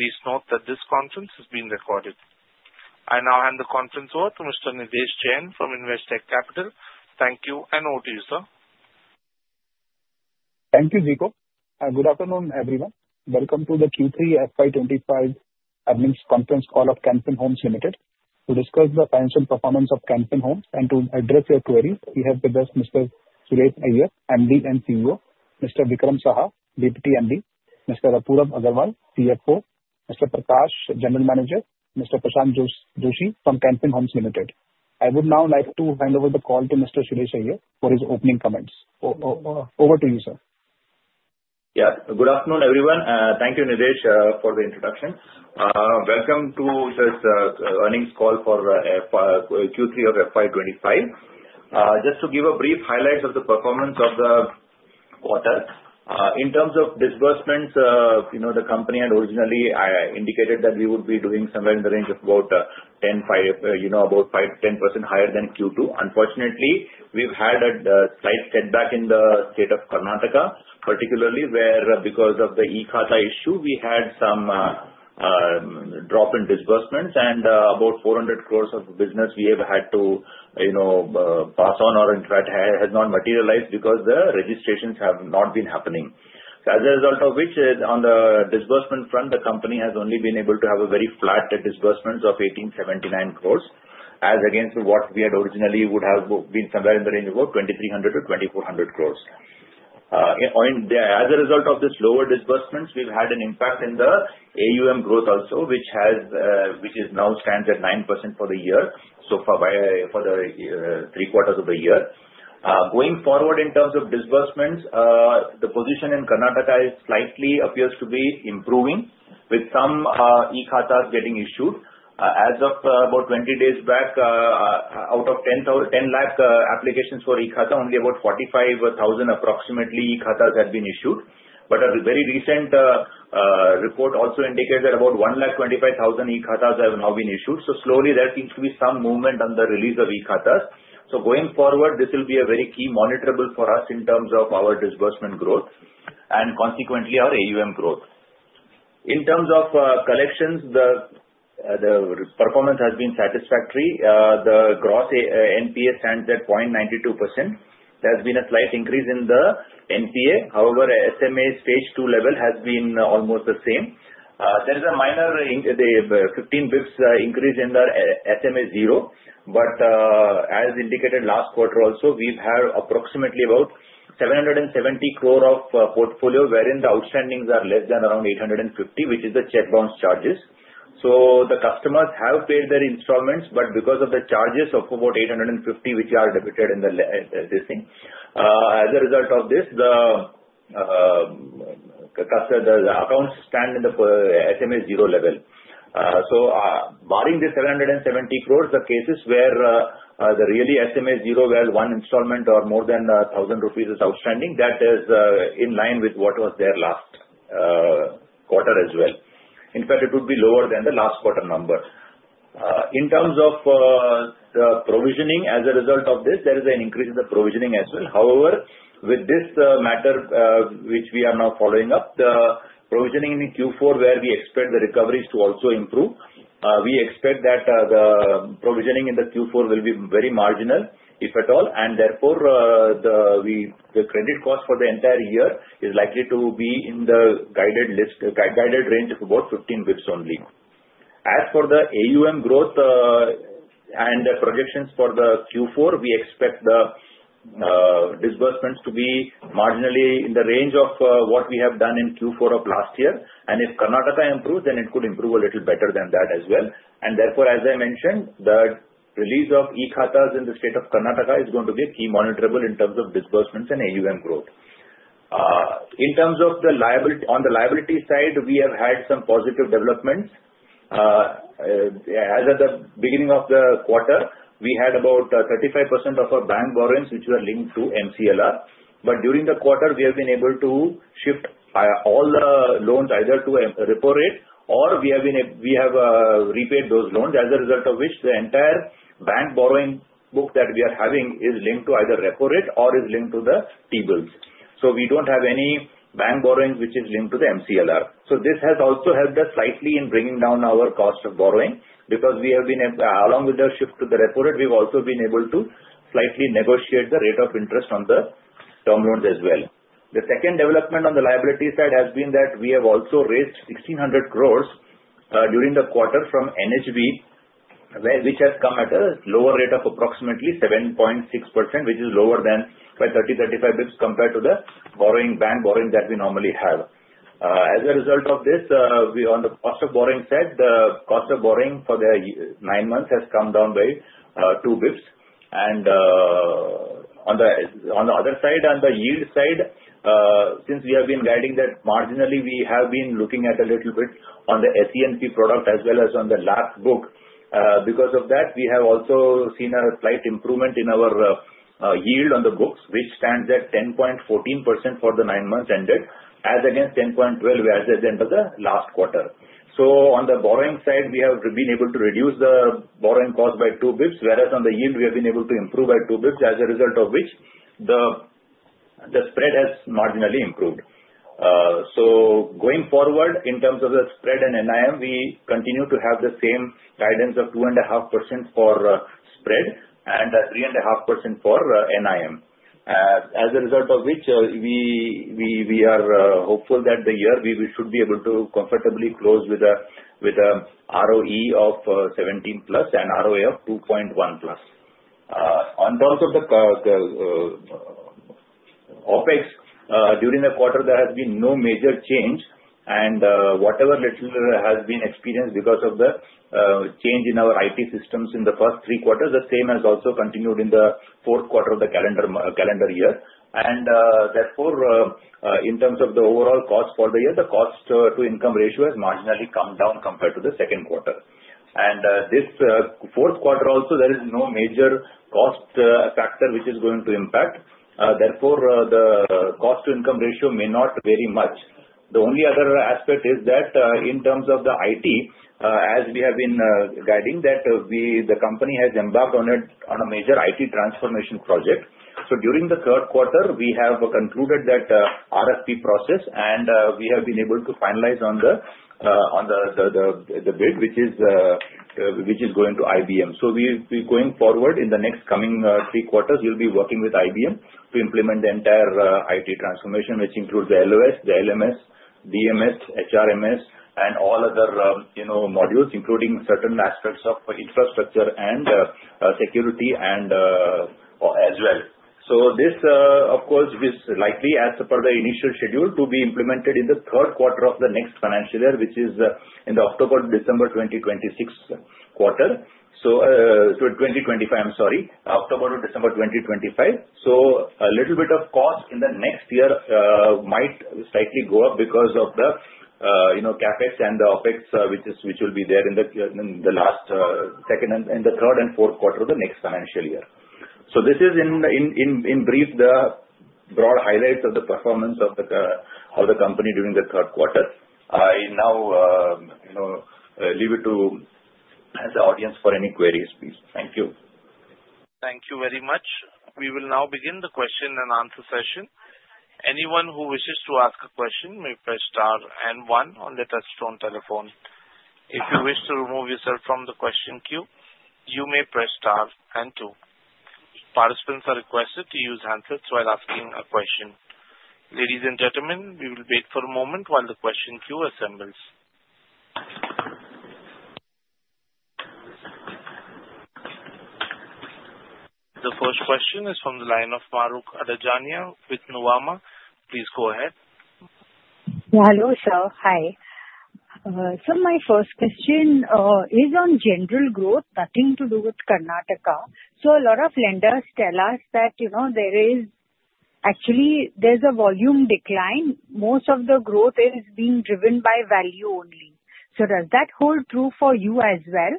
Please note that this conference is being recorded. I now hand the conference over to Mr. Nilesh Jain from Investec. Thank you and over to you, sir. Thank you, Vico. Good afternoon, everyone. Welcome to the Q3 FY25 Earnings Conference Call of Can Fin Homes Limited. To discuss the financial performance of Can Fin Homes and to address your queries, we have with us Mr. Suresh Iyer, MD and CEO, Mr. Vikram Saha, Deputy MD, Mr. Apurav Agarwal, CFO, Mr. Prakash, General Manager, Mr. Prashanth Joishy from Can Fin Homes Limited. I would now like to hand over the call to Mr. Suresh Iyer for his opening comments. Over to you, sir. Yeah. Good afternoon, everyone. Thank you, Nilesh, for the introduction. Welcome to this earnings call for Q3 of FY25. Just to give a brief highlight of the performance of the quarter. In terms of disbursements, the company had originally indicated that we would be doing somewhere in the range of about 10% higher than Q2. Unfortunately, we've had a slight setback in the state of Karnataka, particularly where because of the e-Khata issue, we had some drop in disbursements, and about 400 crores of business we have had to pass on or try to have not materialized because the registrations have not been happening. As a result of which, on the disbursement front, the company has only been able to have a very flat disbursement of 1,879 crores, as against what we had originally would have been somewhere in the range of about 2,300-2,400 crores. As a result of these lower disbursements, we've had an impact in the AUM growth also, which now stands at 9% for the year, so far for the three quarters of the year. Going forward in terms of disbursements, the position in Karnataka slightly appears to be improving with some e-Khata getting issued. As of about 20 days back, out of 10 lakh applications for e-Khata, only about 45,000 approximately e-Khatas had been issued. But a very recent report also indicated that about 125,000 e-Khatas have now been issued, so slowly, there seems to be some movement on the release of e-Khatas, so going forward, this will be a very key monitorable for us in terms of our disbursement growth and consequently our AUM growth. In terms of collections, the performance has been satisfactory. The gross NPA stands at 0.92%. There has been a slight increase in the NPA. However, SMA stage two level has been almost the same. There is a minor 15 basis points increase in the SMA zero, but as indicated last quarter also, we've had approximately about 770 crore of portfolio, wherein the outstandings are less than around 850, which is the check bounce charges. So the customers have paid their installments, but because of the charges of about 850, which are debited to the account, as a result of this, the accounts stand in the SMA zero level. So barring the 770 crores, the cases where the real SMA zero where one installment or more than 1,000 rupees is outstanding, that is in line with what was there last quarter as well. In fact, it would be lower than the last quarter number. In terms of the provisioning, as a result of this, there is an increase in the provisioning as well. However, with this matter, which we are now following up, the provisioning in Q4, where we expect the recoveries to also improve, we expect that the provisioning in the Q4 will be very marginal, if at all. And therefore, the credit cost for the entire year is likely to be in the guided range of about 15 basis points only. As for the AUM growth and the projections for the Q4, we expect the disbursements to be marginally in the range of what we have done in Q4 of last year. And if Karnataka improves, then it could improve a little better than that as well. And therefore, as I mentioned, the release of e-Khata in the state of Karnataka is going to be a key monitorable in terms of disbursements and AUM growth. In terms of the liability side, we have had some positive developments. As at the beginning of the quarter, we had about 35% of our bank borrowings, which were linked to MCLR. But during the quarter, we have been able to shift all the loans either to Repo Rate, or we have repaid those loans, as a result of which the entire bank borrowing book that we are having is linked to either Repo Rate or is linked to the T-bills. So we don't have any bank borrowing which is linked to the MCLR. So this has also helped us slightly in bringing down our cost of borrowing because we have been, along with the shift to the Repo Rate, we've also been able to slightly negotiate the rate of interest on the term loans as well. The second development on the liability side has been that we have also raised 1,600 crores during the quarter from NHB, which has come at a lower rate of approximately 7.6%, which is lower than by 30-35 basis points compared to the bank borrowing that we normally have. As a result of this, on the cost of borrowing side, the cost of borrowing for the nine months has come down by two basis points. And on the other side, on the yield side, since we have been guiding that marginally, we have been looking at a little bit on the SENP product as well as on the LAP book. Because of that, we have also seen a slight improvement in our yield on the books, which stands at 10.14% for the nine months ended, as against 10.12% as at the end of the last quarter. So on the borrowing side, we have been able to reduce the borrowing cost by two basis points, whereas on the yield, we have been able to improve by two basis points, as a result of which the spread has marginally improved. So going forward, in terms of the spread and NIM, we continue to have the same guidance of 2.5% for spread and 3.5% for NIM. As a result of which, we are hopeful that the year we should be able to comfortably close with an ROE of 17 plus and ROA of 2.1 plus. In terms of the OpEx, during the quarter, there has been no major change. And whatever little has been experienced because of the change in our IT systems in the first three quarters, the same has also continued in the fourth quarter of the calendar year. Therefore, in terms of the overall cost for the year, the cost-to-income ratio has marginally come down compared to the second quarter. This fourth quarter also, there is no major cost factor which is going to impact. Therefore, the cost-to-income ratio may not vary much. The only other aspect is that in terms of the IT, as we have been guiding, that the company has embarked on a major IT transformation project. During the third quarter, we have concluded that RFP process, and we have been able to finalize on the bid, which is going to IBM. Going forward, in the next coming three quarters, we'll be working with IBM to implement the entire IT transformation, which includes the LOS, the LMS, DMS, HRMS, and all other modules, including certain aspects of infrastructure and security as well. So this, of course, is likely, as per the initial schedule, to be implemented in the third quarter of the next financial year, which is in the October-December 2026 quarter. So 2025, I'm sorry, October to December 2025. So a little bit of cost in the next year might slightly go up because of the CapEx and the OpEx, which will be there in the last second and the third and fourth quarter of the next financial year. So this is, in brief, the broad highlights of the performance of the company during the third quarter. I now leave it to the audience for any queries, please. Thank you. Thank you very much. We will now begin the question and answer session. Anyone who wishes to ask a question may press star and one or let us know on telephone. If you wish to remove yourself from the question queue, you may press star and two. Participants are requested to use handsets while asking a question. Ladies and gentlemen, we will wait for a moment while the question queue assembles. The first question is from the line of Mahrukh Adajania with Nuvama. Please go ahead. Hello, sir. Hi. So my first question is on general growth, nothing to do with Karnataka. So a lot of lenders tell us that there is actually a volume decline. Most of the growth is being driven by value only. So does that hold true for you as well?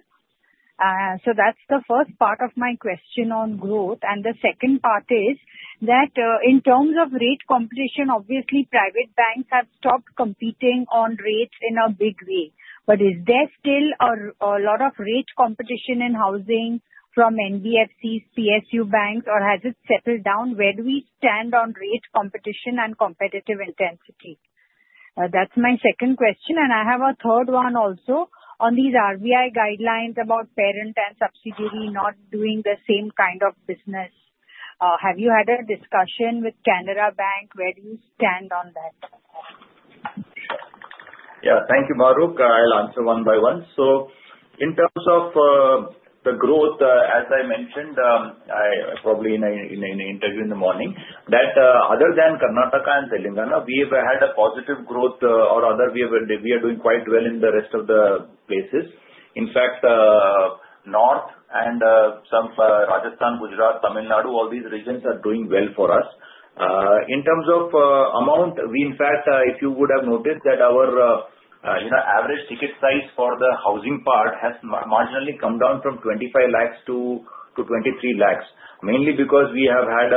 So that's the first part of my question on growth. And the second part is that in terms of rate competition, obviously, private banks have stopped competing on rates in a big way. But is there still a lot of rate competition in housing from NBFCs, PSU banks, or has it settled down? Where do we stand on rate competition and competitive intensity? That's my second question. And I have a third one also on these RBI guidelines about parent and subsidiary not doing the same kind of business. Have you had a discussion with Canara Bank? Where do you stand on that? Yeah. Thank you, Maruk. I'll answer one by one. So in terms of the growth, as I mentioned, probably in an interview in the morning, that other than Karnataka and Telangana, we have had a positive growth or rather, we are doing quite well in the rest of the places. In fact, North and some Rajasthan, Gujarat, Tamil Nadu, all these regions are doing well for us. In terms of amount, in fact, if you would have noticed that our average ticket size for the housing part has marginally come down from 25 lakhs to 23 lakhs, mainly because we have had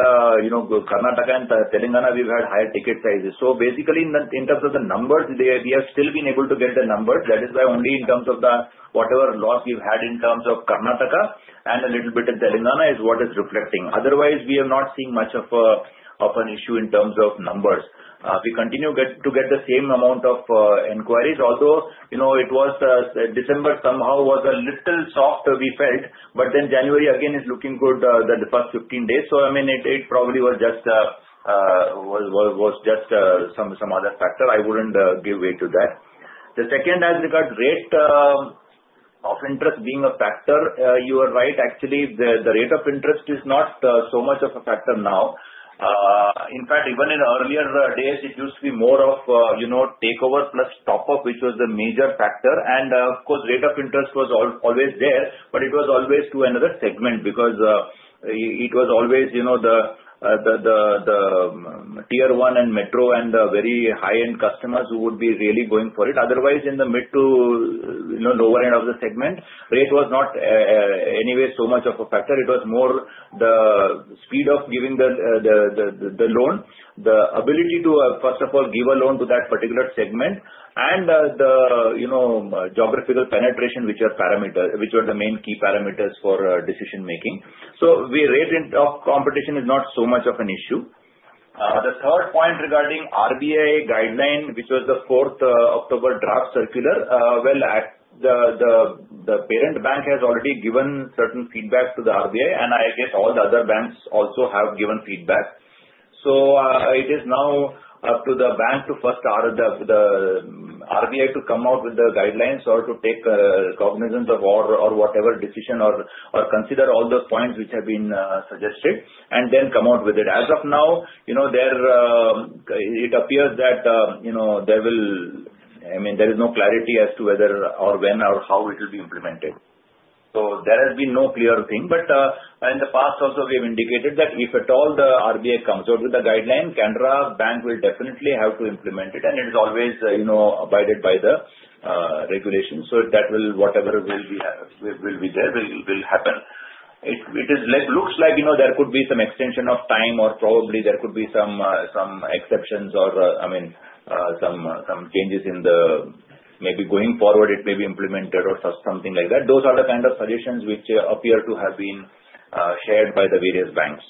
Karnataka and Telangana, we've had higher ticket sizes. So basically, in terms of the numbers, we have still been able to get the numbers. That is why only in terms of the whatever loss we've had in terms of Karnataka and a little bit in Telangana is what is reflecting. Otherwise, we have not seen much of an issue in terms of numbers. We continue to get the same amount of inquiries. Although it was December, somehow was a little softer, we felt. But then January again is looking good, the first 15 days. So I mean, it probably was just some other factor. I wouldn't give weight to that. The second, as regards rate of interest being a factor, you are right. Actually, the rate of interest is not so much of a factor now. In fact, even in earlier days, it used to be more of takeover plus top-up, which was the major factor. And of course, rate of interest was always there, but it was always to another segment because it was always the tier one and metro and the very high-end customers who would be really going for it. Otherwise, in the mid to lower end of the segment, rate was not anyway so much of a factor. It was more the speed of giving the loan, the ability to, first of all, give a loan to that particular segment, and the geographical penetration, which were the main key parameters for decision-making. So rate of competition is not so much of an issue. The third point regarding RBI guideline, which was the 4th October draft circular. Well, the parent bank has already given certain feedback to the RBI, and I guess all the other banks also have given feedback. So it is now up to the bank to first, the RBI, to come out with the guidelines or to take cognizance of whatever decision or consider all the points which have been suggested and then come out with it. As of now, it appears that there will, I mean, there is no clarity as to whether or when or how it will be implemented. So there has been no clear thing. But in the past, also, we have indicated that if at all the RBI comes out with the guideline, Canara Bank will definitely have to implement it, and it is always abided by the regulations. So whatever will be there will happen. It looks like there could be some extension of time, or probably there could be some exceptions or, I mean, some changes in the maybe going forward, it may be implemented or something like that. Those are the kind of suggestions which appear to have been shared by the various banks.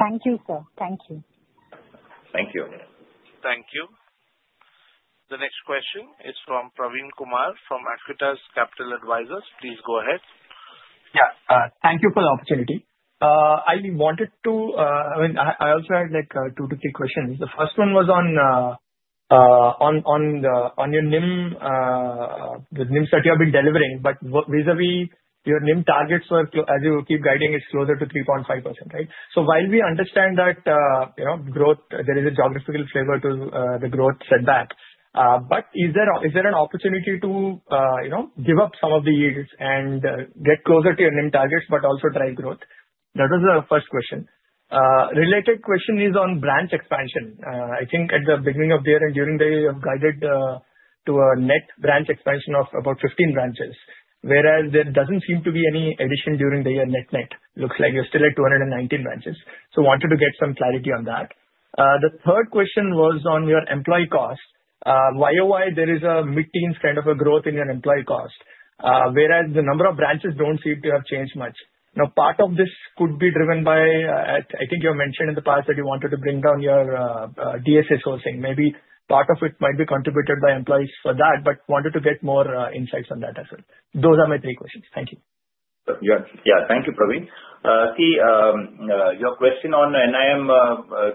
Thank you, sir. Thank you. Thank you. Thank you. The next question is from Praveen Kumar from Aequitas Capital Advisors. Please go ahead. Yeah. Thank you for the opportunity. I wanted to, I mean, I also had two to three questions. The first one was on your NIM that you have been delivering, but vis-à-vis your NIM targets were, as you keep guiding, it's closer to 3.5%, right? So while we understand that growth, there is a geographical flavor to the growth setback, but is there an opportunity to give up some of the yields and get closer to your NIM targets, but also drive growth? That was the first question. Related question is on branch expansion. I think at the beginning of the year and during the year, you have guided to a net branch expansion of about 15 branches, whereas there doesn't seem to be any addition during the year net-net. Looks like you're still at 219 branches. So wanted to get some clarity on that. The third question was on your employee cost. Why is there a mid-teens kind of a growth in your employee cost, whereas the number of branches don't seem to have changed much. Now, part of this could be driven by, I think you have mentioned in the past that you wanted to bring down your DSA sourcing. Maybe part of it might be contributed by employees for that, but wanted to get more insights on that as well. Those are my three questions. Thank you. Yeah. Yeah. Thank you, Praveen. See, your question on NIM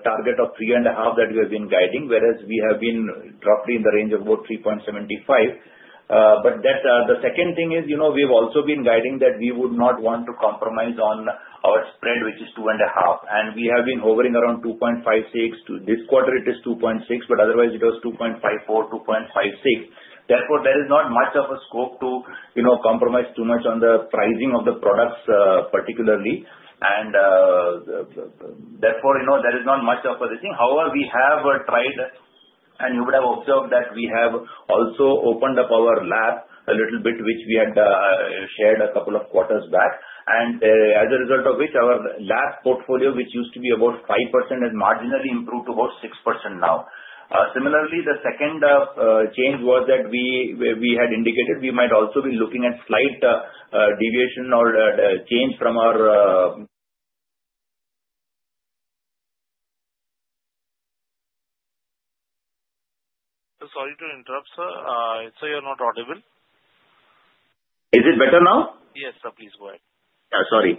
target of 3.5% that we have been guiding, whereas we have been roughly in the range of about 3.75%. But the second thing is we have also been guiding that we would not want to compromise on our spread, which is 2.5%. And we have been hovering around 2.56%. This quarter, it is 2.6%, but otherwise, it was 2.54%, 2.56%. Therefore, there is not much of a scope to compromise too much on the pricing of the products, particularly. And therefore, there is not much of a thing. However, we have tried, and you would have observed that we have also opened up our LAP a little bit, which we had shared a couple of quarters back, and as a result of which, our LAP portfolio, which used to be about 5%, has marginally improved to about 6% now. Similarly, the second change was that we had indicated we might also be looking at slight deviation or change from our. Sorry to interrupt, sir. It seems you're not audible. Is it better now? Yes, sir. Please go ahead. Sorry.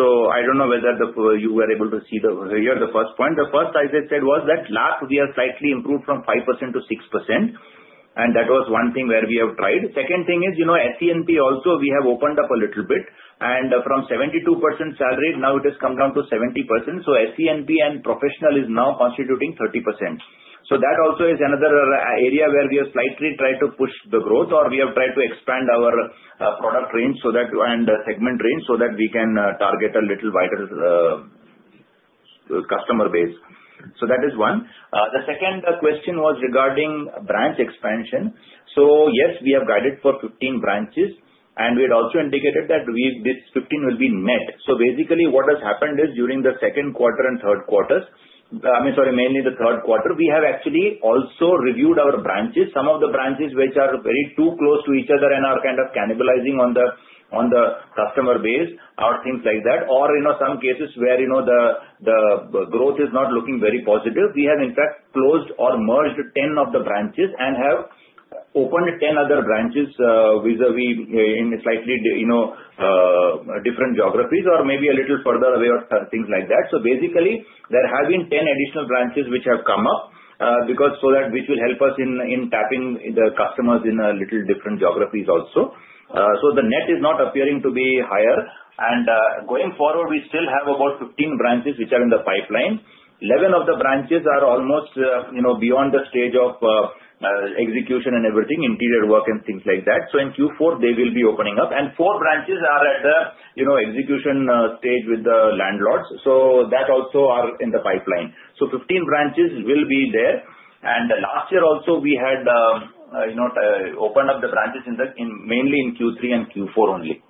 So I don't know whether you were able to see the first point. The first, as I said, was that LAP, we have slightly improved from 5%-6%. And that was one thing where we have tried. Second thing is SENP also, we have opened up a little bit. And from 72% salary, now it has come down to 70%. So SENP and professional is now constituting 30%. So that also is another area where we have slightly tried to push the growth, or we have tried to expand our product range and segment range so that we can target a little wider customer base. So that is one. The second question was regarding branch expansion. So yes, we have guided for 15 branches, and we had also indicated that this 15 will be net. So basically, what has happened is during the second quarter and third quarters, I mean, sorry, mainly the third quarter, we have actually also reviewed our branches, some of the branches which are very too close to each other and are kind of cannibalizing on the customer base or things like that, or in some cases where the growth is not looking very positive. We have, in fact, closed or merged 10 of the branches and have opened 10 other branches vis-à-vis in slightly different geographies or maybe a little further away or things like that. So basically, there have been 10 additional branches which have come up so that which will help us in tapping the customers in a little different geographies also. So the net is not appearing to be higher. And going forward, we still have about 15 branches which are in the pipeline. 11 of the branches are almost beyond the stage of execution and everything, interior work and things like that. So in Q4, they will be opening up. And four branches are at the execution stage with the landlords. So that also are in the pipeline. So 15 branches will be there. And last year also, we had opened up the branches mainly in Q3 and Q4 only.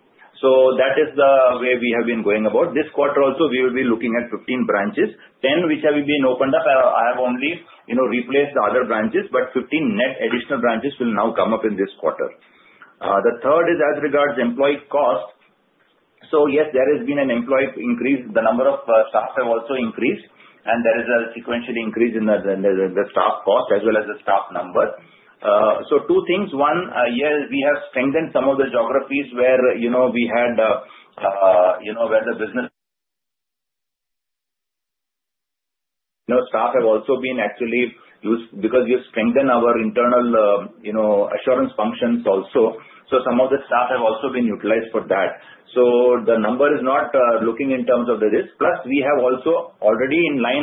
So that is the way we have been going about. This quarter also, we will be looking at 15 branches. 10 which have been opened up, I have only replaced the other branches, but 15 net additional branches will now come up in this quarter. The third is as regards employee cost. So yes, there has been an employee increase. The number of staff have also increased, and there is a sequential increase in the staff cost as well as the staff number. So two things. One, yes, we have strengthened some of the geographies where we had the business staff have also been actually used because we have strengthened our internal assurance functions also. So some of the staff have also been utilized for that. So the number is not looking in terms of the risk. Plus, we have also already, in line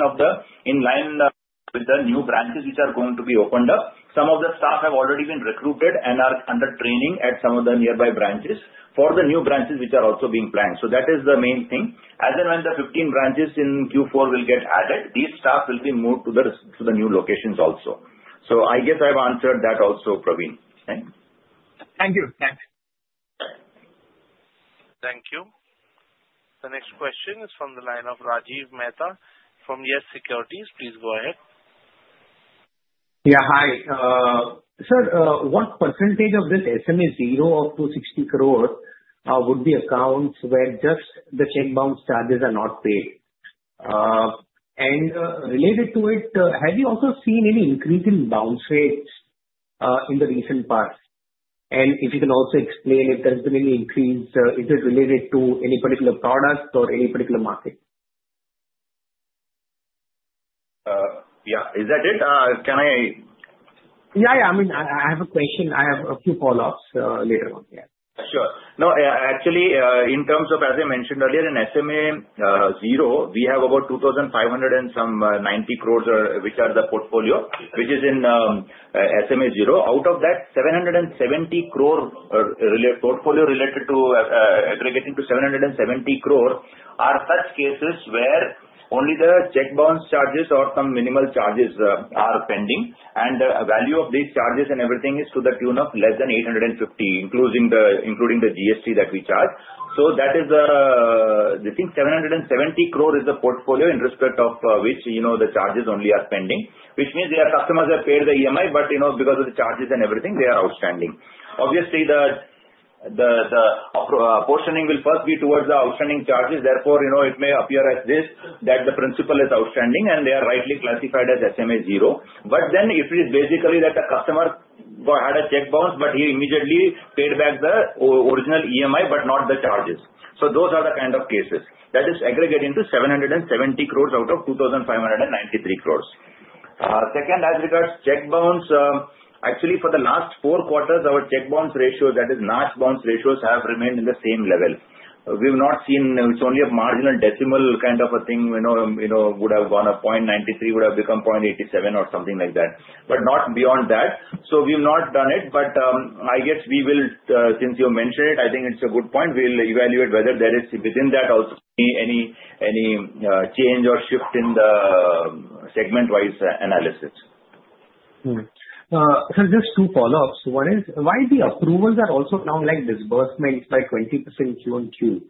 with the new branches which are going to be opened up, some of the staff have already been recruited and are under training at some of the nearby branches for the new branches which are also being planned. So that is the main thing. As in when the 15 branches in Q4 will get added, these staff will be moved to the new locations also. So I guess I've answered that also, Praveen. Thanks. Thank you. Thanks. Thank you. The next question is from the line of Rajiv Mehta from Yes Securities. Please go ahead. Yeah. Hi. Sir, what percentage of this SMA 0 of 260 crore would be accounts where just the cheque bounce charges are not paid? And related to it, have you also seen any increase in bounce rates in the recent past? And if you can also explain if there's been any increase, is it related to any particular product or any particular market? Yeah. Is that it? Can I? Yeah. Yeah. I mean, I have a question. I have a few follow-ups later on. Yeah. Sure. No, actually, in terms of, as I mentioned earlier, in SMA 0, we have about 2,590 crore which are the portfolio, which is in SMA 0. Out of that, 770 crore portfolio related to aggregating to 770 crore are such cases where only the cheque bounce charges or some minimal charges are pending, and the value of these charges and everything is to the tune of less than 850, including the GST that we charge. So that is the, I think, 770 crore is the portfolio in respect of which the charges only are pending, which means their customers have paid the EMI, but because of the charges and everything, they are outstanding. Obviously, the portioning will first be towards the outstanding charges. Therefore, it may appear as if that the principal is outstanding, and they are rightly classified as SMA 0. But then if it is basically that a customer had a cheque bounce, but he immediately paid back the original EMI, but not the charges. So those are the kind of cases. That is aggregating to 770 crore out of 2,593 crore. Second, as regards check bounce, actually, for the last four quarters, our check bounce ratios, that is, NACH bounce ratios have remained in the same level. We have not seen it's only a marginal decimal kind of a thing would have gone up. 0.93 would have become 0.87 or something like that, but not beyond that. So we have not done it, but I guess we will, since you mentioned it, I think it's a good point, we will evaluate whether there is within that also any change or shift in the segment-wise analysis. Sir, just two follow-ups. One is, why the approvals are also now like disbursements by 20% Q on Q?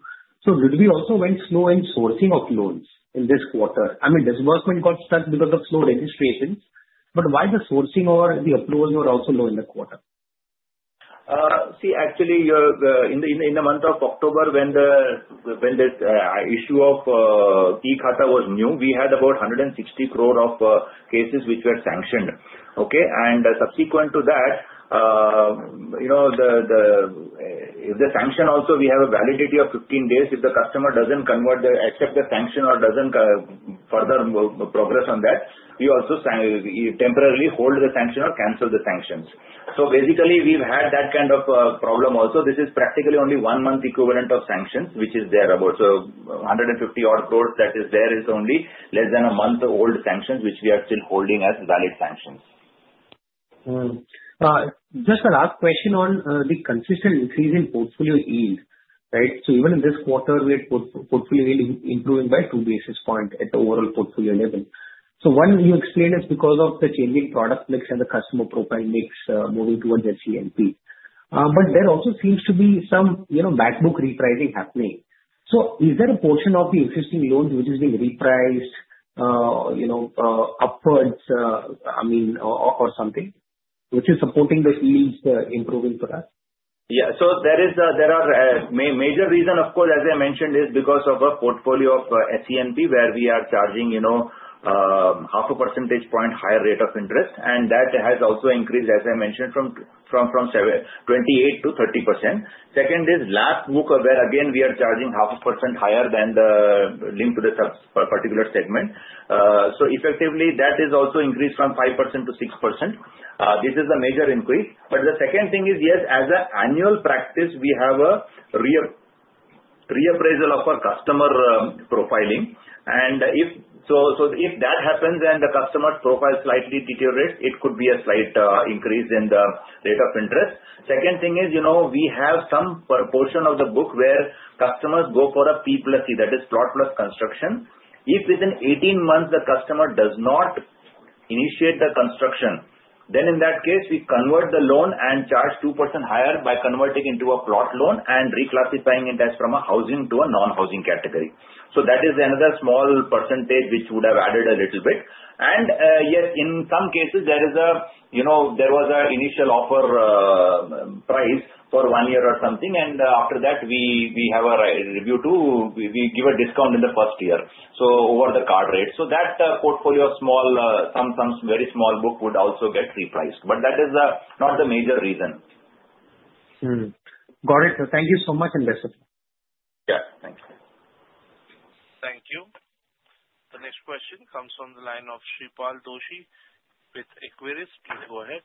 So did we also went slow in sourcing of loans in this quarter? I mean, disbursement got stuck because of slow registrations, but why the sourcing or the approvals were also low in the quarter? See, actually, in the month of October, when the issue of e-Khata was new, we had about 160 crore of cases which were sanctioned, okay? And subsequent to that, if the sanction also, we have a validity of 15 days. If the customer doesn't accept the sanction or doesn't further progress on that, we also temporarily hold the sanction or cancel the sanctions. So basically, we've had that kind of problem also. This is practically only one month equivalent of sanctions, which is there about 150 crore that is there is only less than a month old sanctions, which we are still holding as valid sanctions. Just a last question on the consistent increase in portfolio yield, right? So even in this quarter, we had portfolio yield improving by 2 basis points at the overall portfolio level. So one, you explained it's because of the changing product mix and the customer profile mix moving towards SENP. But there also seems to be some backbook repricing happening. So is there a portion of the existing loans which is being repriced upwards, I mean, or something, which is supporting the yields improving for us? Yeah. So there are major reasons, of course, as I mentioned, is because of a portfolio of SENP where we are charging half a percentage point higher rate of interest, and that has also increased, as I mentioned, from 28%-30%. Second is LAP book where, again, we are charging half a percent higher than the link to the particular segment. So effectively, that is also increased from 5%-6%. This is the major increase. But the second thing is, yes, as an annual practice, we have a reappraisal of our customer profiling. And so if that happens and the customer's profile slightly deteriorates, it could be a slight increase in the rate of interest. Second thing is we have some portion of the book where customers go for a P+C, that is, plot plus construction. If within 18 months, the customer does not initiate the construction, then in that case, we convert the loan and charge 2% higher by converting into a plot loan and reclassifying it as from a housing to a non-housing category, so that is another small percentage which would have added a little bit, and yes, in some cases, there was an initial offer price for one year or something, and after that, we have a review to give a discount in the first year, so over the card rate, so that portfolio of small, some very small book would also get repriced, but that is not the major reason. Got it. Thank you so much and best of luck. Yeah. Thanks. Thank you. The next question comes from the line of Shripal Doshi with Equirus. Please go ahead.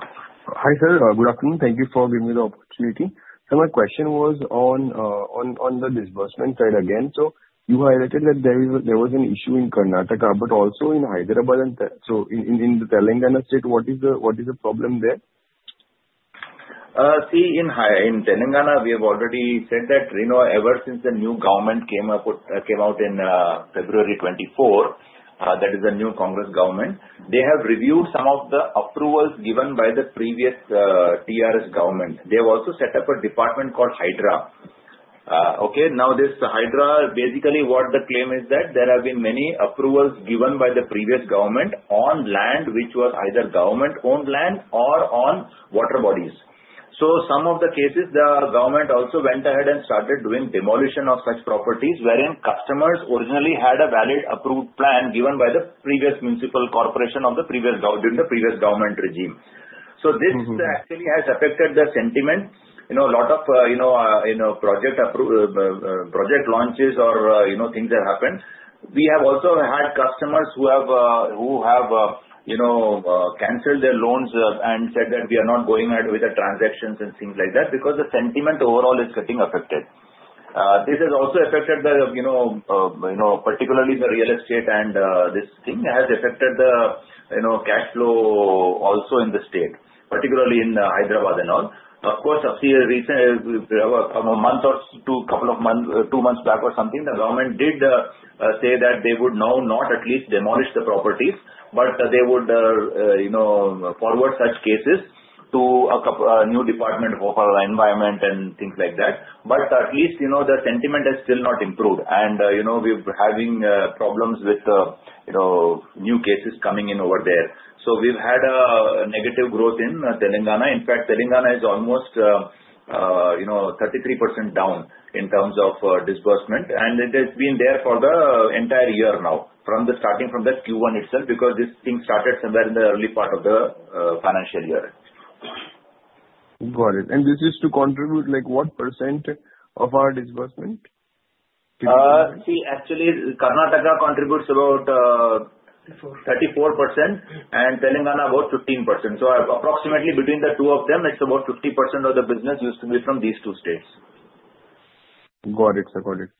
Hi sir. Good afternoon. Thank you for giving me the opportunity. So my question was on the disbursement side again. So you highlighted that there was an issue in Karnataka, but also in Hyderabad. So in the Telangana state, what is the problem there? See, in Telangana, we have already said that ever since the new government came out in February 2024, that is, the new Congress government, they have reviewed some of the approvals given by the previous TRS government. They have also set up a department called HYDRA. Okay? Now, this HYDRA, basically, what the claim is that there have been many approvals given by the previous government on land which was either government-owned land or on water bodies. So some of the cases, the government also went ahead and started doing demolition of such properties wherein customers originally had a valid approved plan given by the previous municipal corporation during the previous government regime. So this actually has affected the sentiment. A lot of project launches or things that happened. We have also had customers who have canceled their loans and said that we are not going ahead with the transactions and things like that, because the sentiment overall is getting affected. This has also affected particularly the real estate, and this thing has affected the cash flow also in the state, particularly in Hyderabad and all. Of course, a month or two months back or something, the government did say that they would now not at least demolish the properties, but they would forward such cases to a new Department of Environment and things like that, but at least the sentiment has still not improved, and we're having problems with new cases coming in over there, so we've had a negative growth in Telangana. In fact, Telangana is almost 33% down in terms of disbursement, and it has been there for the entire year now, starting from the Q1 itself because this thing started somewhere in the early part of the financial year. Got it. And this is to contribute what % of our disbursement? See, actually, Karnataka contributes about 34% and Telangana about 15%. So approximately between the two of them, it's about 50% of the business used to be from these two states. Got it. I got it.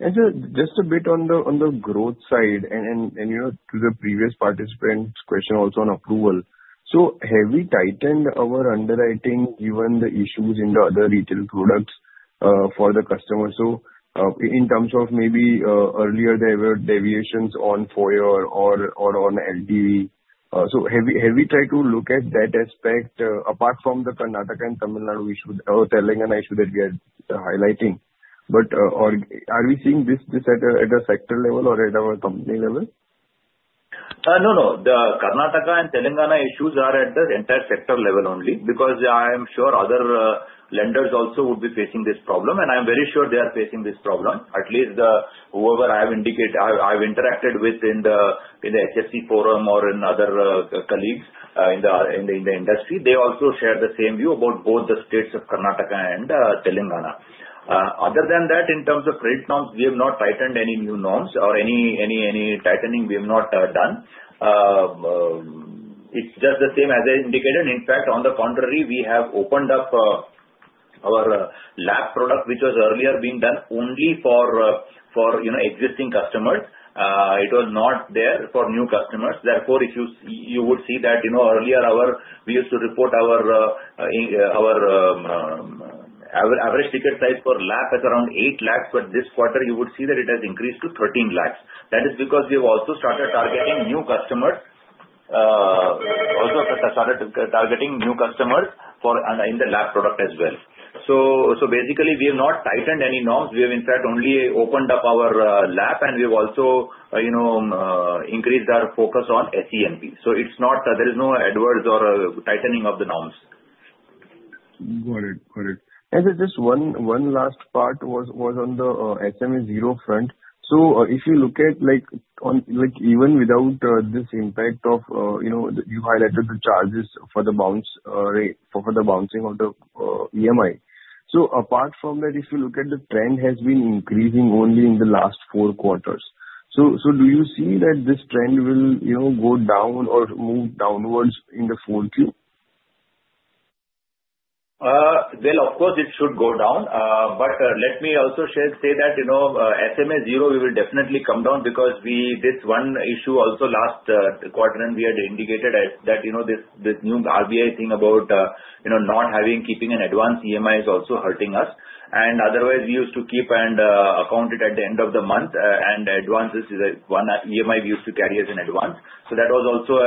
And sir, just a bit on the growth side and to the previous participant's question also on approval. So have we tightened our underwriting given the issues in the other retail products for the customers? So in terms of maybe earlier, there were deviations on FOYA or on LTV. So have we tried to look at that aspect apart from the Karnataka and Tamil Nadu issue or Telangana issue that we are highlighting? But are we seeing this at a sector level or at our company level? No, no. The Karnataka and Telangana issues are at the entire sector level only because I am sure other lenders also would be facing this problem, and I'm very sure they are facing this problem. At least whoever I have interacted with in the HFC forum or in other colleagues in the industry, they also share the same view about both the states of Karnataka and Telangana. Other than that, in terms of credit norms, we have not tightened any new norms or any tightening we have not done. It's just the same as I indicated. In fact, on the contrary, we have opened up our LAP product which was earlier being done only for existing customers. It was not there for new customers. Therefore, you would see that earlier, we used to report our average ticket size for LAP as around 8 lakhs, but this quarter, you would see that it has increased to 13 lakhs. That is because we have also started targeting new customers in the LAP product as well. So basically, we have not tightened any norms. We have, in fact, only opened up our LAP, and we have also increased our focus on SENP. So there is no adverse or tightening of the norms. Got it. Got it. And sir, just one last part was on the SMA 0 front. So if you look at even without this impact that you highlighted the charges for the bouncing of the EMI. So apart from that, if you look at the trend, it has been increasing only in the last four quarters. So do you see that this trend will go down or move downwards in the fourth quarter? Well, of course, it should go down. But let me also say that SMA 0, we will definitely come down because this one issue also last quarter, and we had indicated that this new RBI thing about not keeping an advance EMI is also hurting us. And otherwise, we used to keep and account it at the end of the month, and advances is one EMI we used to carry as an advance. So that was also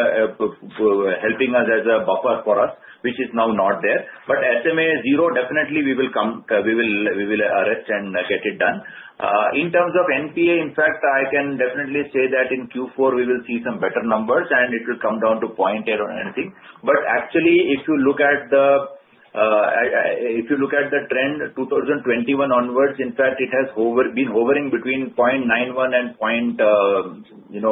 helping us as a buffer for us, which is now not there. But SMA 0, definitely, we will arrest and get it done. In terms of NPA, in fact, I can definitely say that in Q4, we will see some better numbers, and it will come down to point or anything. But actually, if you look at the trend 2021 onwards, in fact, it has been hovering between 0.91% and 0.8%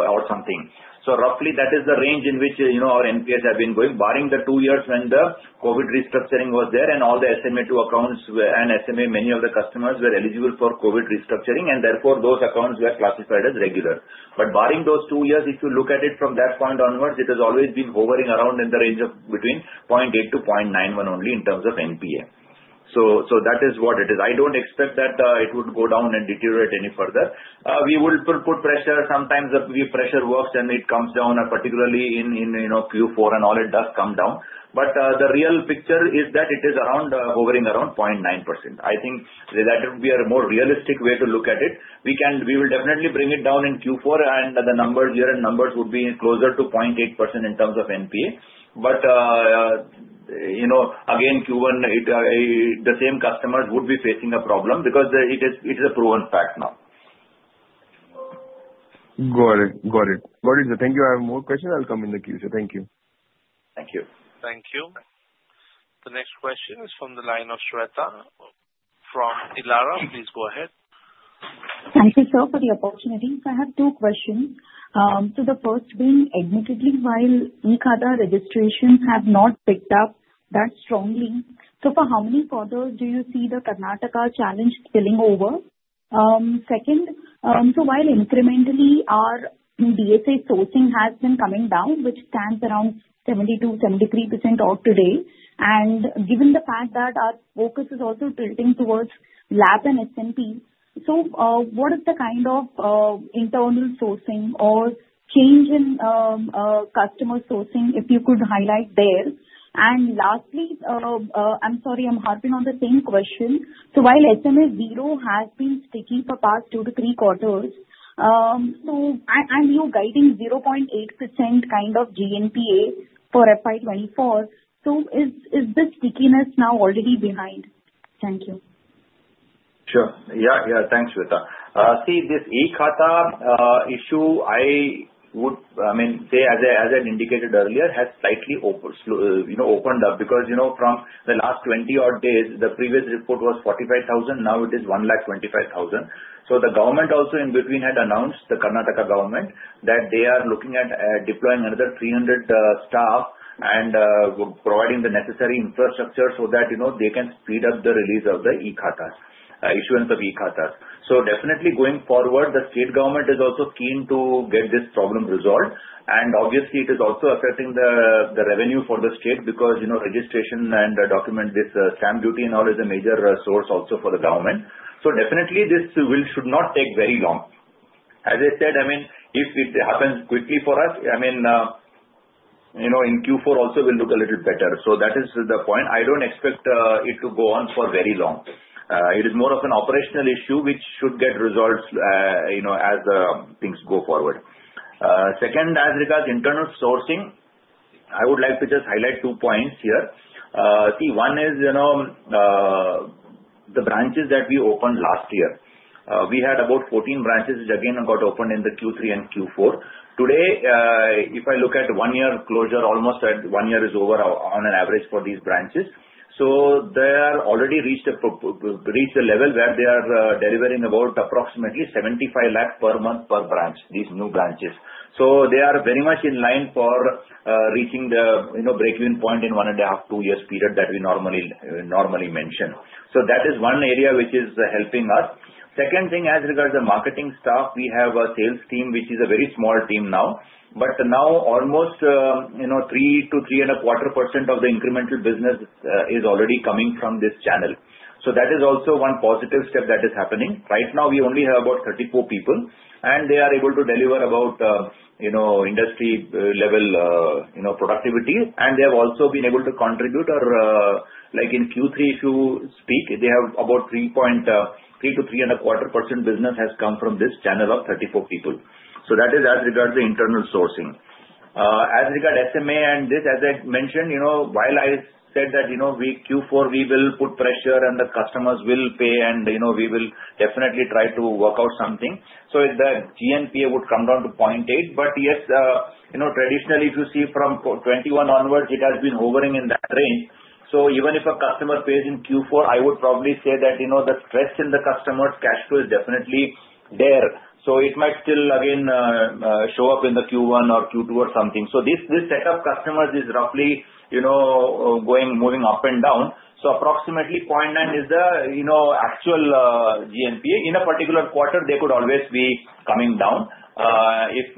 or something. So roughly, that is the range in which our NPAs have been going, barring the two years when the COVID restructuring was there and all the SMA2 accounts and SMA, many of the customers were eligible for COVID restructuring, and therefore, those accounts were classified as regular. But barring those two years, if you look at it from that point onwards, it has always been hovering around in the range of between 0.8%-0.91% only in terms of NPA. So that is what it is. I don't expect that it would go down and deteriorate any further. We will put pressure. Sometimes the pressure works, and it comes down, particularly in Q4 and all; it does come down. The real picture is that it is hovering around 0.9%. I think that would be a more realistic way to look at it. We will definitely bring it down in Q4, and the numbers here would be closer to 0.8% in terms of NPA. Again, Q1, the same customers would be facing a problem because it is a proven fact now. Got it. Got it. Got it, sir. Thank you. I have more questions. I'll come in the Q, sir. Thank you. Thank you. Thank you. The next question is from the line of Shweta from Elara. Please go ahead. Thank you, sir, for the opportunity. I have two questions. So the first being, admittedly, while e-Khata registrations have not picked up that strongly, so for how many quarters do you see the Karnataka challenge spilling over? Second, so while incrementally, our DSA sourcing has been coming down, which stands around 72%-73% out today. And given the fact that our focus is also tilting towards LAP and SMP, so what is the kind of internal sourcing or change in customer sourcing, if you could highlight there? And lastly, I'm sorry, I'm harping on the same question. So while SMA 0 has been sticky for past two to three quarters, so I'm guiding 0.8% kind of GNPA for FY24. So is this stickiness now already behind? Thank you. Sure. Yeah. Yeah. Thanks, Shweta. See, this e-Khata issue, I would say, as I indicated earlier, has slightly opened up because from the last 20-odd days, the previous report was 45,000. Now it is 125,000. So the government also, in between, had announced, the Karnataka government, that they are looking at deploying another 300 staff and providing the necessary infrastructure so that they can speed up the release of the e-Khata s, issuance of e-Khata s. So definitely, going forward, the state government is also keen to get this problem resolved. And obviously, it is also affecting the revenue for the state because registration and document, this stamp duty and all is a major source also for the government. So definitely, this will should not take very long. As I said, I mean, if it happens quickly for us, I mean, in Q4 also, we'll look a little better. So that is the point. I don't expect it to go on for very long. It is more of an operational issue, which should get resolved as things go forward. Second, as regards internal sourcing, I would like to just highlight two points here. See, one is the branches that we opened last year. We had about 14 branches which again got opened in the Q3 and Q4. Today, if I look at one-year closure, almost one year is over on average for these branches. So they have already reached a level where they are delivering about approximately 75 lakh per month per branch, these new branches. So they are very much in line for reaching the break-even point in one and a half, two-year period that we normally mention. So that is one area which is helping us. Second thing, as regards the marketing staff, we have a sales team, which is a very small team now. But now, almost 3%-3.25% of the incremental business is already coming from this channel. So that is also one positive step that is happening. Right now, we only have about 34 people, and they are able to deliver about industry-level productivity. And they have also been able to contribute in Q3, if you speak, they have about 3%-3.25% business has come from this channel of 34 people. So that is as regards the internal sourcing. As regards SMA and this, as I mentioned, while I said that Q4, we will put pressure, and the customers will pay, and we will definitely try to work out something. So the GNPA would come down to 0.8. But yes, traditionally, if you see from 21 onwards, it has been hovering in that range. So even if a customer pays in Q4, I would probably say that the stress in the customer's cash flow is definitely there. So it might still, again, show up in the Q1 or Q2 or something. So this set of customers is roughly moving up and down. So approximately 0.9 is the actual GNPA. In a particular quarter, they could always be coming down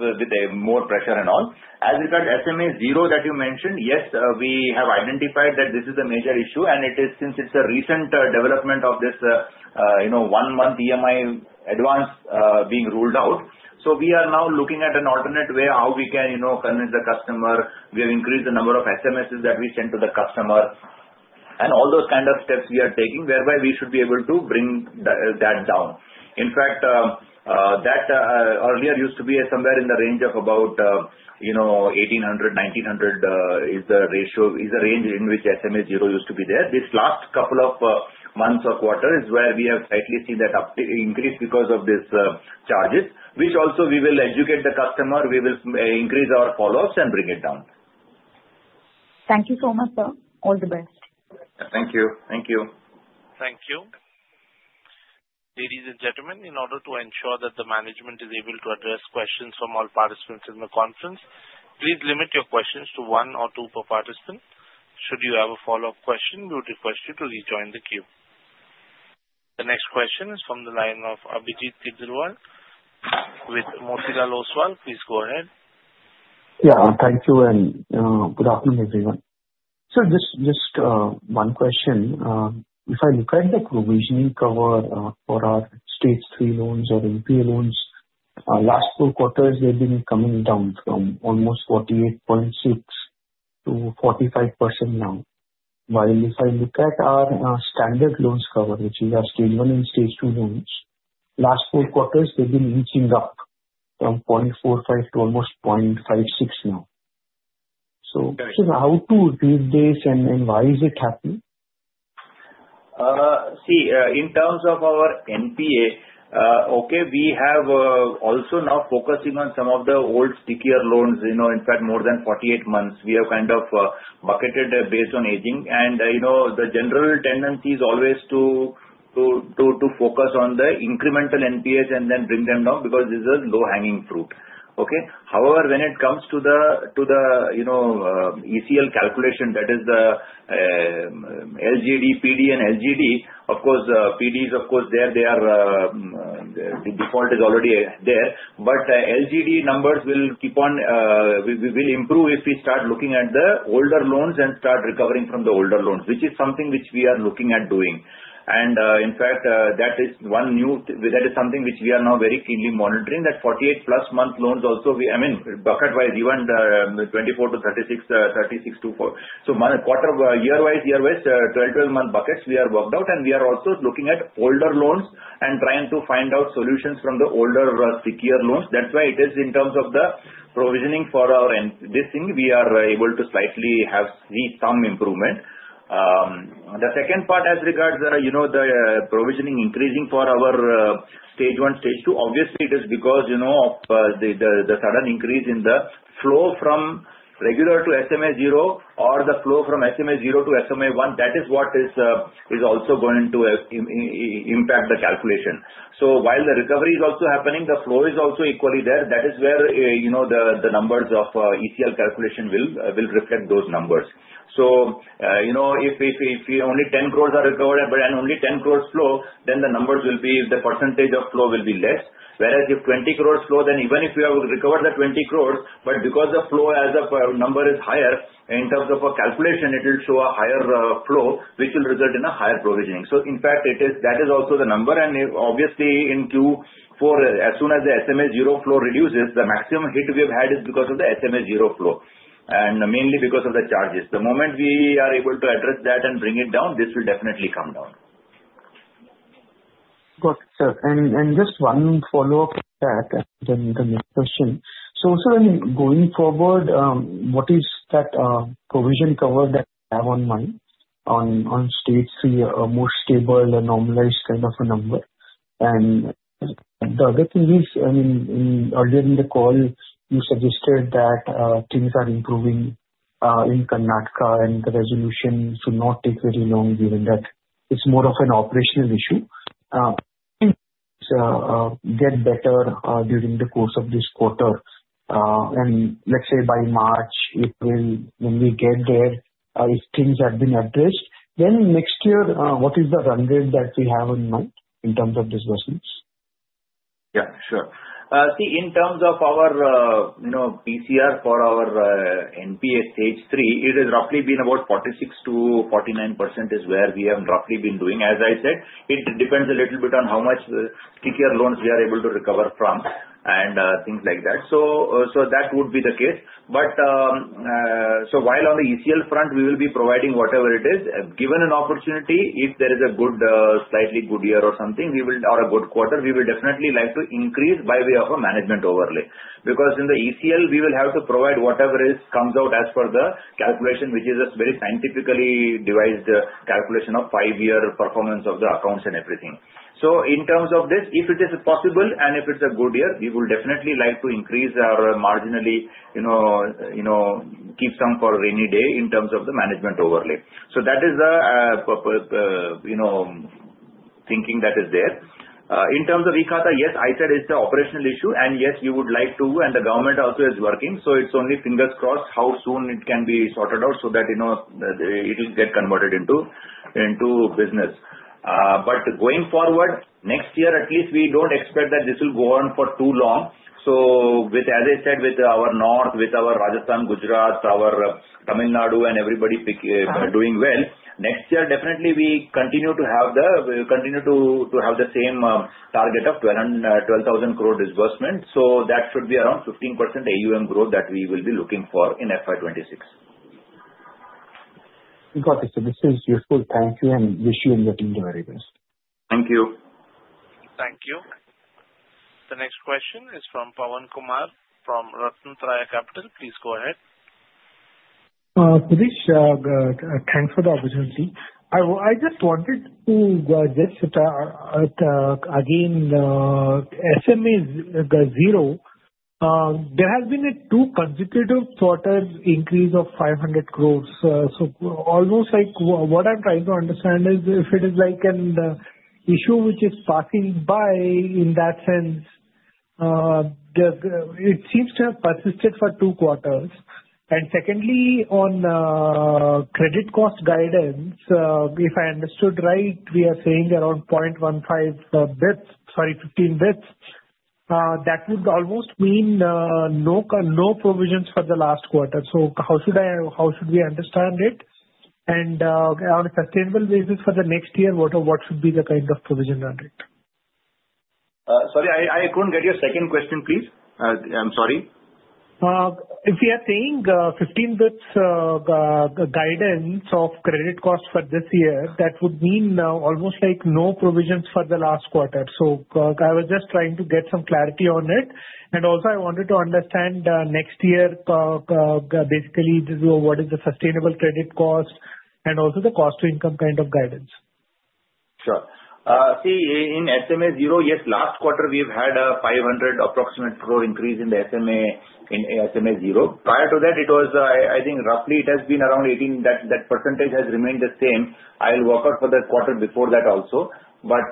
with more pressure and all. As regards SMA 0 that you mentioned, yes, we have identified that this is the major issue. And since it's a recent development of this one-month EMI advance being ruled out, so we are now looking at an alternate way how we can convince the customer. We have increased the number of SMSs that we send to the customer. All those kind of steps we are taking whereby we should be able to bring that down. In fact, that earlier used to be somewhere in the range of about 1,800-1,900, which is the range in which SMA 0 used to be there. This last couple of months or quarters is where we have slightly seen that increase because of these charges, which also we will educate the customer. We will increase our follow-ups and bring it down. Thank you so much, sir. All the best. Thank you. Thank you. Thank you. Ladies and gentlemen, in order to ensure that the management is able to address questions from all participants in the conference, please limit your questions to one or two per participant. Should you have a follow-up question, we would request you to rejoin the queue. The next question is from the line of Abhijit Tibrewal with Motilal Oswal. Please go ahead. Yeah. Thank you. And good afternoon, everyone. So just one question. If I look at the provisioning cover for our stage 3 loans or NPA loans, last four quarters, they've been coming down from almost 48.6%-45% now. While if I look at our standard loans cover, which is our stage 1 and stage 2 loans, last four quarters, they've been inching up from 0.45% to almost 0.56% now. So how to read this and why is it happening? See, in terms of our NPA, okay, we have also now focusing on some of the old stickier loans. In fact, more than 48 months, we have kind of bucketed based on aging. And the general tendency is always to focus on the incremental NPAs and then bring them down because this is low-hanging fruit. Okay? However, when it comes to the ECL calculation, that is the LGD, PD, and LGD, of course, PD is, of course, there. The default is already there. But LGD numbers will keep on improve if we start looking at the older loans and start recovering from the older loans, which is something which we are looking at doing. And in fact, that is one new that is something which we are now very keenly monitoring, that 48-plus month loans also, I mean, bucket-wise, even 24-36, 36-48. So quarter-year-wise, year-wise, 12-12-month buckets we have worked out. And we are also looking at older loans and trying to find out solutions from the older stickier loans. That's why it is in terms of the provisioning for our this thing, we are able to slightly see some improvement. The second part, as regards the provisioning increasing for our stage one, stage two, obviously, it is because of the sudden increase in the flow from regular to SMA 0 or the flow from SMA 0 to SMA 1. That is what is also going to impact the calculation. So while the recovery is also happening, the flow is also equally there. That is where the numbers of ECL calculation will reflect those numbers. So if only 10 crores are recovered and only 10 crores flow, then the numbers will be the percentage of flow will be less. Whereas if 20 crores flow, then even if you have recovered the 20 crores, but because the flow as a number is higher, in terms of a calculation, it will show a higher flow, which will result in a higher provisioning. So in fact, that is also the number. And obviously, in Q4, as soon as the SMA 0 flow reduces, the maximum hit we have had is because of the SMA 0 flow and mainly because of the charges. The moment we are able to address that and bring it down, this will definitely come down. Got it, sir. And just one follow-up to that, the next question. So then going forward, what is that provision coverage that you have in mind for stage three, a more stable, normalized kind of a number? And the other thing is, I mean, earlier in the call, you suggested that things are improving in Karnataka, and the resolution should not take very long given that it's more of an operational issue. Things get better during the course of this quarter. And let's say by March, April, when we get there, if things have been addressed, then next year, what is the run rate that we have in mind in terms of these disbursals? Yeah. Sure. See, in terms of our PCR for our NPA stage three, it has roughly been about 46%-49% is where we have roughly been doing. As I said, it depends a little bit on how much stickier loans we are able to recover from and things like that. So that would be the case. But so while on the ECL front, we will be providing whatever it is. Given an opportunity, if there is a good, slightly good year or something, or a good quarter, we will definitely like to increase by way of a management overlay because in the ECL, we will have to provide whatever comes out as per the calculation, which is a very scientifically devised calculation of five-year performance of the accounts and everything. So in terms of this, if it is possible and if it's a good year, we will definitely like to increase our marginally, keep some for rainy day in terms of the management overlay. So that is the thinking that is there. In terms of e-Khata, yes, I said it's an operational issue. And yes, we would like to, and the government also is working. So it's only fingers crossed how soon it can be sorted out so that it will get converted into business. But going forward, next year, at least we don't expect that this will go on for too long. So as I said, with our North, with our Rajasthan, Gujarat, our Tamil Nadu, and everybody doing well, next year, definitely, we continue to have the same target of 12,000 crore disbursement. So that should be around 15% AUM growth that we will be looking for in FY26. Got it, sir. This is useful. Thank you. And wish you in the end the very best. Thank you. Thank you. The next question is from Pawan Kumar from Ratnatraya Capital. Please go ahead. Prashanth, thanks for the opportunity. I just wanted to just again, SMA 0, there has been a two consecutive quarters increase of 500 crores. So almost like what I'm trying to understand is if it is like an issue which is passing by in that sense. It seems to have persisted for two quarters. And secondly, on credit cost guidance, if I understood right, we are saying around 0.15%, sorry, 15 basis points. That would almost mean no provisions for the last quarter. So how should we understand it? And on a sustainable basis for the next year, what should be the kind of provision on it? Sorry, I couldn't get your second question, please. I'm sorry. If we are saying 15 basis points guidance of credit cost for this year, that would mean almost like no provisions for the last quarter. So I was just trying to get some clarity on it. And also, I wanted to understand next year, basically, what is the sustainable credit cost and also the cost-to-income kind of guidance. Sure. See, in SMA 0, yes, last quarter, we've had an approximate 500 crore increase in the SMA 0. Prior to that, it was, I think, roughly it has been around 18%. That percentage has remained the same. I'll work out for the quarter before that also. But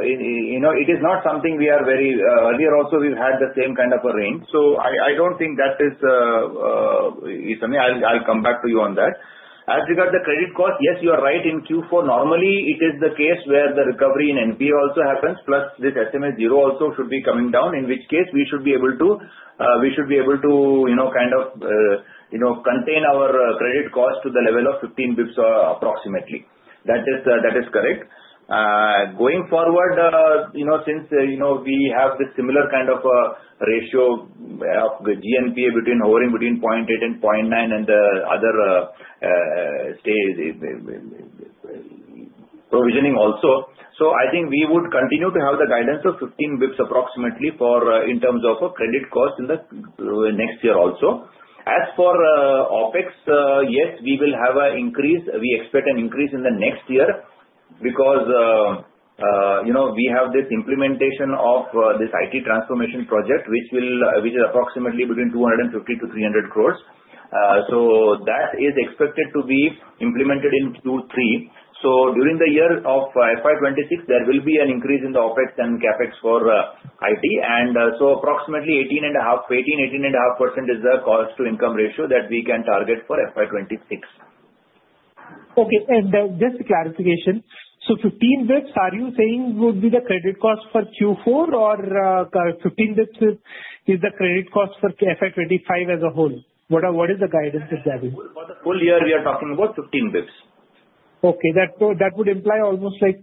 it is not something we are very earlier also, we've had the same kind of a range. So I don't think that is. I'll come back to you on that. As regards the credit cost, yes, you are right. In Q4, normally, it is the case where the recovery in NPA also happens, plus this SMA 0 also should be coming down, in which case we should be able to kind of contain our credit cost to the level of 15 basis points approximately. That is correct. Going forward, since we have this similar kind of ratio of GNPA hovering between 0.8 and 0.9 and the other provisioning also, so I think we would continue to have the guidance of 15 basis points approximately in terms of credit cost in the next year also. As for OpEx, yes, we will have an increase. We expect an increase in the next year because we have this implementation of this IT transformation project, which is approximately 250-300 crores. So that is expected to be implemented in Q3. So during the year of FY26, there will be an increase in the OpEx and CapEx for IT. So approximately 18.5% is the cost-to-income ratio that we can target for FY26. Okay. And just a clarification. So 15 basis points, are you saying would be the credit cost for Q4, or 15 basis points is the credit cost for FY25 as a whole? What is the guidance with that? For the full year, we are talking about 15 basis points. Okay. That would imply almost like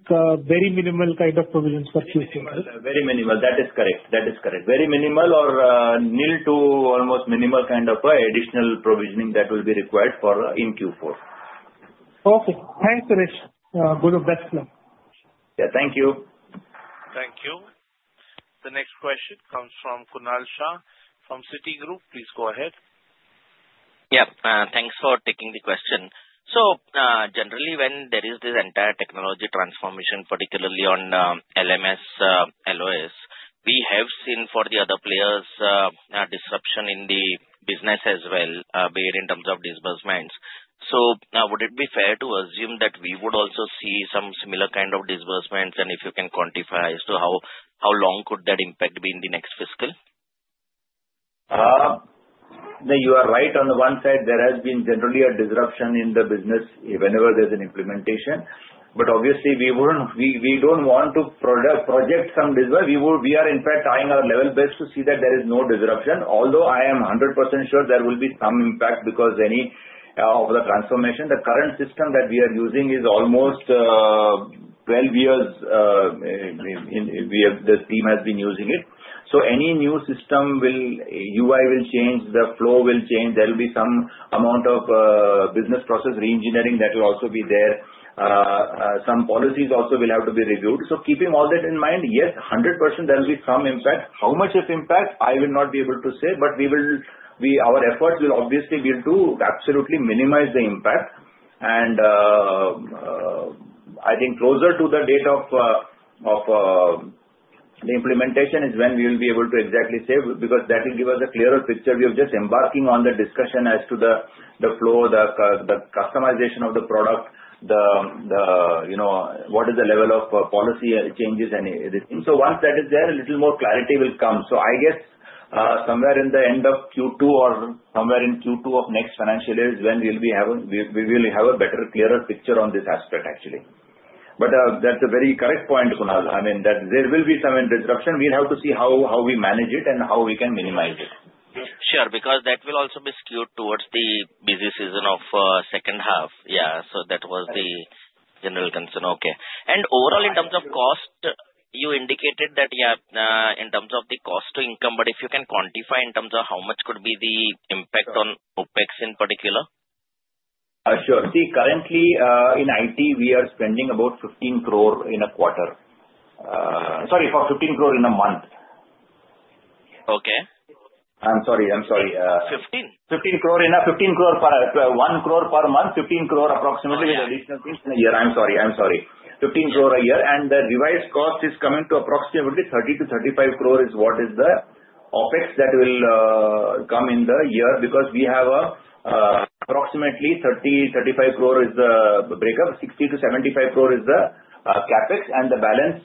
very minimal kind of provisions for Q4. Very minimal. That is correct. That is correct. Very minimal or near to almost minimal kind of additional provisioning that will be required in Q4. Okay. Thanks, Prashanth. Best of luck. Yeah. Thank you. Thank you. The next question comes from Kunal Shah from Citigroup. Please go ahead. Yeah. Thanks for taking the question. So generally, when there is this entire technology transformation, particularly on LMS, LOS, we have seen for the other players disruption in the business as well, be it in terms of disbursements. So would it be fair to assume that we would also see some similar kind of disbursements and if you can quantify as to how long could that impact be in the next fiscal? You are right. On the one side, there has been generally a disruption in the business whenever there's an implementation. But obviously, we don't want to project some disruption. We are, in fact, eyeing our level best to see that there is no disruption. Although I am 100% sure there will be some impact because of the transformation. The current system that we are using is almost 12 years the team has been using it. So any new system, UI will change, the flow will change. There will be some amount of business process reengineering that will also be there. Some policies also will have to be reviewed. So keeping all that in mind, yes, 100% there will be some impact. How much of impact, I will not be able to say, but our efforts will obviously be to absolutely minimize the impact. I think closer to the date of the implementation is when we will be able to exactly say because that will give us a clearer picture. We are just embarking on the discussion as to the flow, the customization of the product, what is the level of policy changes, and everything. Once that is there, a little more clarity will come. I guess somewhere in the end of Q2 or somewhere in Q2 of next financial year is when we will have a better, clearer picture on this aspect, actually. That's a very correct point, Kunal. I mean, there will be some disruption. We'll have to see how we manage it and how we can minimize it. Sure. Because that will also be skewed towards the busy season of second half. Yeah. So that was the general concern. Okay. And overall, in terms of cost, you indicated that, yeah, in terms of the cost-to-income, but if you can quantify in terms of how much could be the impact on OpEx in particular? Sure. See, currently, in IT, we are spending about 15 crore in a quarter. Sorry, for 15 crore in a month. Okay. I'm sorry. I'm sorry. 15? 15 crore in a 15 crore per one crore per month, 15 crore approximately with additional things in a year. I'm sorry. 15 crore a year. And the revised cost is coming to approximately 30-35 crore is what is the OpEx that will come in the year because we have approximately 30-35 crore is the breakup, 60-75 crore is the CapEx, and the balance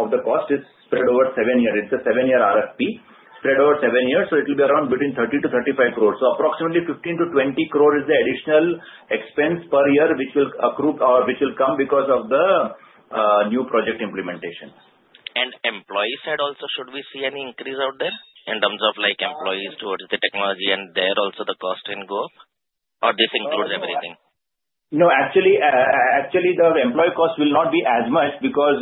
of the cost is spread over seven years. It's a seven-year RFP spread over seven years. So it will be around between 30-35 crore. So approximately 15-20 crore is the additional expense per year which will accrue or which will come because of the new project implementation. And employee side also, should we see any increase out there in terms of employees towards the technology and there also the cost angle? Or this includes everything? No. Actually, the employee cost will not be as much because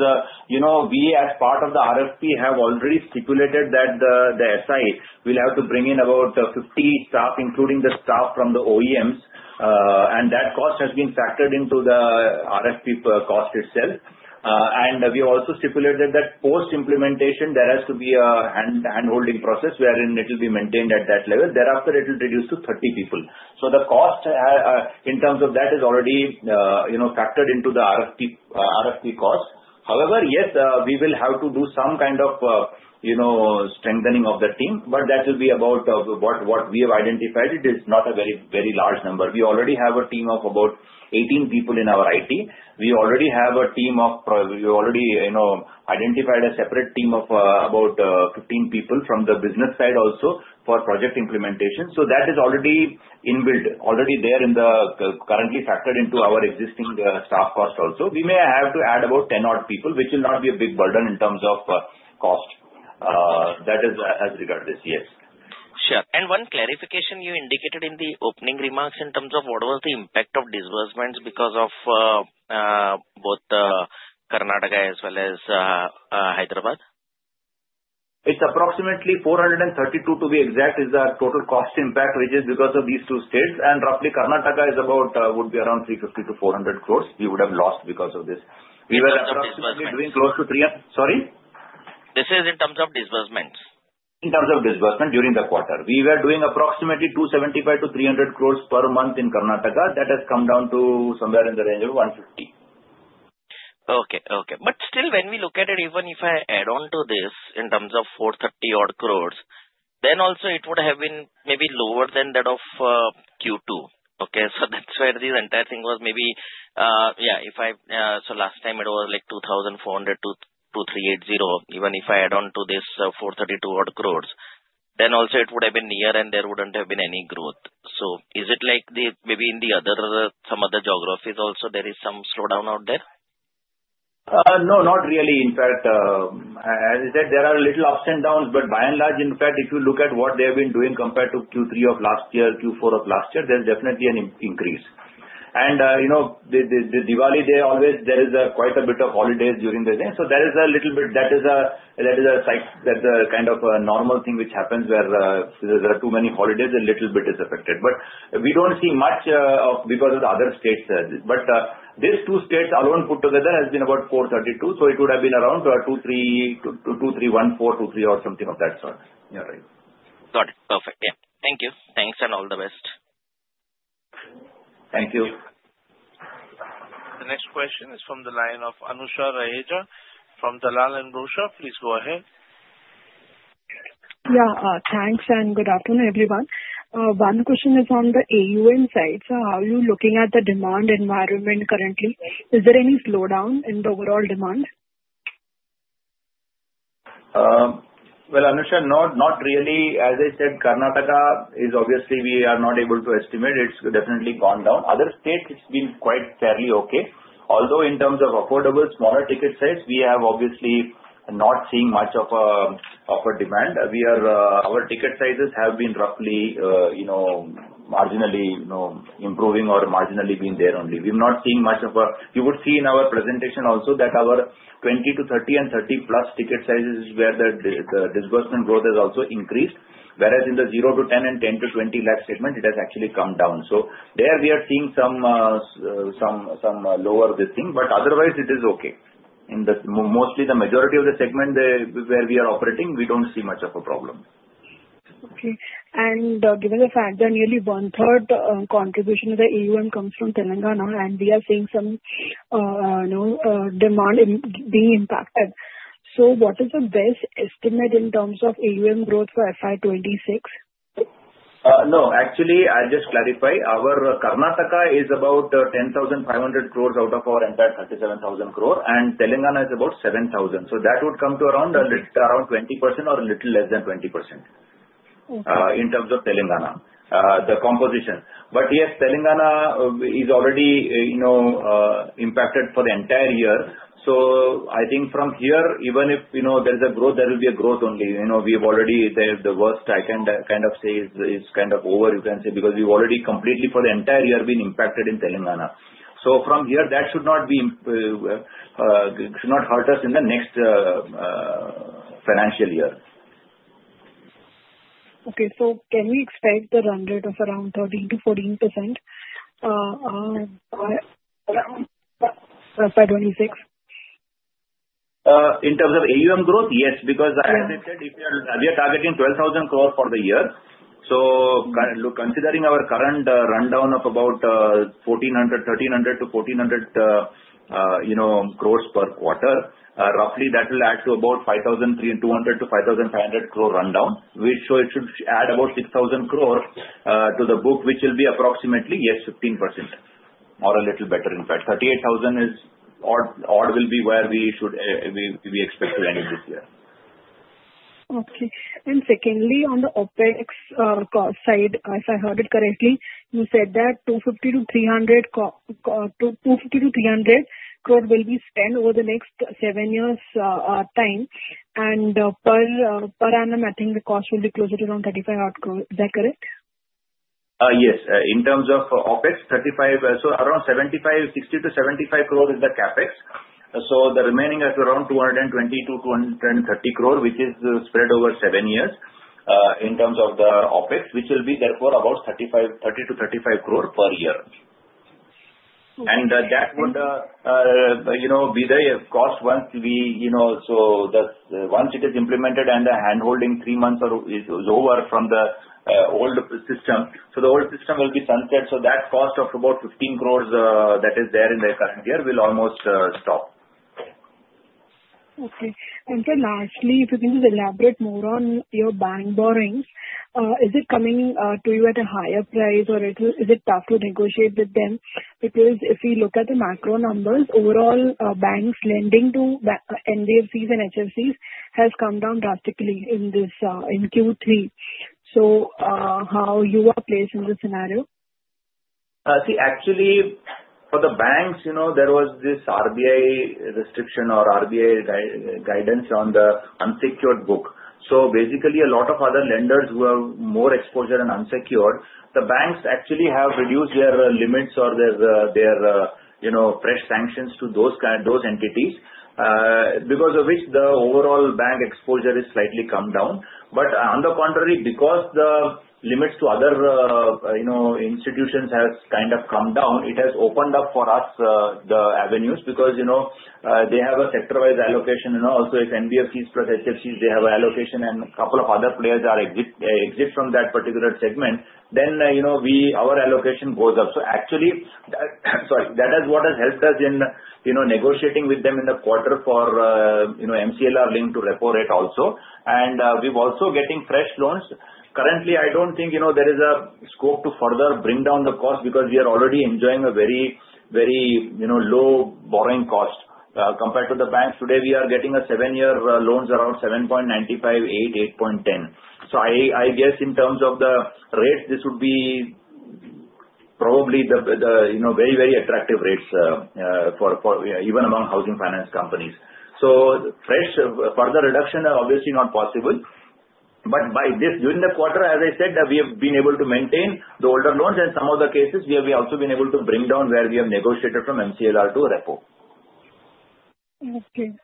we, as part of the RFP, have already stipulated that the SI will have to bring in about 50 staff, including the staff from the OEMs. And that cost has been factored into the RFP cost itself. And we also stipulated that post-implementation, there has to be a hand-holding process wherein it will be maintained at that level. Thereafter, it will reduce to 30 people. So the cost in terms of that is already factored into the RFP cost. However, yes, we will have to do some kind of strengthening of the team, but that will be about what we have identified. It is not a very, very large number. We already have a team of about 18 people in our IT. We already identified a separate team of about 15 people from the business side also for project implementation. So that is already inbuilt, already there, currently factored into our existing staff cost also. We may have to add about 10-odd people, which will not be a big burden in terms of cost. That is as regards this, yes. Sure. And one clarification you indicated in the opening remarks in terms of what was the impact of disbursements because of both Karnataka as well as Hyderabad? It's approximately 432, to be exact, is the total cost impact, which is because of these two states, and roughly, Karnataka is about would be around 350-400 crores we would have lost because of this. We were approximately doing close to 300. Sorry? This is in terms of disbursements? In terms of disbursement during the quarter, we were doing approximately 275-300 crores per month in Karnataka. That has come down to somewhere in the range of 150. Okay. Okay. But still, when we look at it, even if I add on to this in terms of 430 odd crores, then also it would have been maybe lower than that of Q2. Okay. So that's where this entire thing was maybe yeah. So last time, it was like 2,400 to 380. Even if I add on to this 432 odd crores, then also it would have been near and there wouldn't have been any growth. So is it like maybe in some other geographies also, there is some slowdown out there? No, not really. In fact, as I said, there are little ups and downs. But by and large, in fact, if you look at what they have been doing compared to Q3 of last year, Q4 of last year, there's definitely an increase. And Diwali, there always is quite a bit of holidays during the day. So there is a little bit that is a kind of normal thing which happens where there are too many holidays, a little bit is affected. But we don't see much because of the other states. But these two states alone put together has been about 432. So it would have been around 2314, 23 or something of that sort. You're right. Got it. Perfect. Yeah. Thank you. Thanks and all the best. Thank you. The next question is from the line of Anusha Raheja from Dalal & Broacha. Please go ahead. Yeah. Thanks and good afternoon, everyone. One question is on the AUM side. So how are you looking at the demand environment currently? Is there any slowdown in the overall demand? Anusha, not really. As I said, Karnataka is obviously we are not able to estimate. It's definitely gone down. Other states, it's been quite fairly okay. Although in terms of affordable smaller ticket size, we have obviously not seen much of a demand. Our ticket sizes have been roughly marginally improving or marginally been there only. We're not seeing much of a you would see in our presentation also that our 20-30 and 30+ ticket sizes is where the disbursement growth has also increased. Whereas in the 0-10 and 10-20 lakh segment, it has actually come down. So there we are seeing some lower this thing. But otherwise, it is okay. Mostly the majority of the segment where we are operating, we don't see much of a problem. Okay. And given the fact that nearly one-third contribution of the AUM comes from Telangana and we are seeing some demand being impacted, so what is the best estimate in terms of AUM growth for FY26? No. Actually, I'll just clarify. Our Karnataka is about 10,500 crores out of our entire 37,000 crores, and Telangana is about 7,000. So that would come to around 20% or a little less than 20% in terms of Telangana, the composition. But yes, Telangana is already impacted for the entire year. So I think from here, even if there is a growth, there will be a growth only. We have already the worst I can kind of say is kind of over, you can say, because we've already completely for the entire year been impacted in Telangana. So from here, that should not hurt us in the next financial year. Okay. So can we expect the run rate of around 13%-14% for FY26? In terms of AUM growth? Yes. Because as I said, we are targeting INR 12,000 crores for the year, so considering our current rundown of about 1,400, 1,300-1,400 crores per quarter, roughly that will add to about 5,200-5,500 crore rundown, which should add about 6,000 crores to the book, which will be approximately, yes, 15% or a little better, in fact, 38,000-odd will be where we expect to end this year. Okay. And secondly, on the OpEx side, if I heard it correctly, you said that 250-300 crores will be spent over the next seven years' time. And per annum, I think the cost will be closer to around 35 crores. Is that correct? Yes. In terms of OpEx, so around 60-75 crores is the CapEx. So the remaining is around 220-230 crores, which is spread over seven years in terms of the OpEx, which will be therefore about 30-35 crores per year. And that would be the cost once it is implemented and the hand-holding three months is over from the old system. So the old system will be sunset. So that cost of about 15 crores that is there in the current year will almost stop. Okay. And then lastly, if you can just elaborate more on your bank borrowings, is it coming to you at a higher price, or is it tough to negotiate with them? Because if we look at the macro numbers, overall banks lending to NBFCs and HFCs has come down drastically in Q3. So how are you placed in this scenario? See, actually, for the banks, there was this RBI restriction or RBI guidance on the unsecured book. So basically, a lot of other lenders who have more exposure and unsecured, the banks actually have reduced their limits or their pre-sanctions to those entities because of which the overall bank exposure has slightly come down. But on the contrary, because the limits to other institutions have kind of come down, it has opened up for us the avenues because they have a sector-wise allocation. And also, if NBFCs plus HFCs, they have an allocation, and a couple of other players are exiting from that particular segment, then our allocation goes up. So actually, sorry, that is what has helped us in negotiating with them in the quarter for MCLR linked to repo rate also. And we're also getting fresh loans. Currently, I don't think there is a scope to further bring down the cost because we are already enjoying a very, very low borrowing cost. Compared to the banks today, we are getting a seven-year loan around 7.95%, 8%, 8.10%. So I guess in terms of the rates, this would be probably the very, very attractive rates even among housing finance companies. So further reduction is obviously not possible. But during the quarter, as I said, we have been able to maintain the older loans. And some of the cases, we have also been able to bring down where we have negotiated from MCLR to repo. Okay.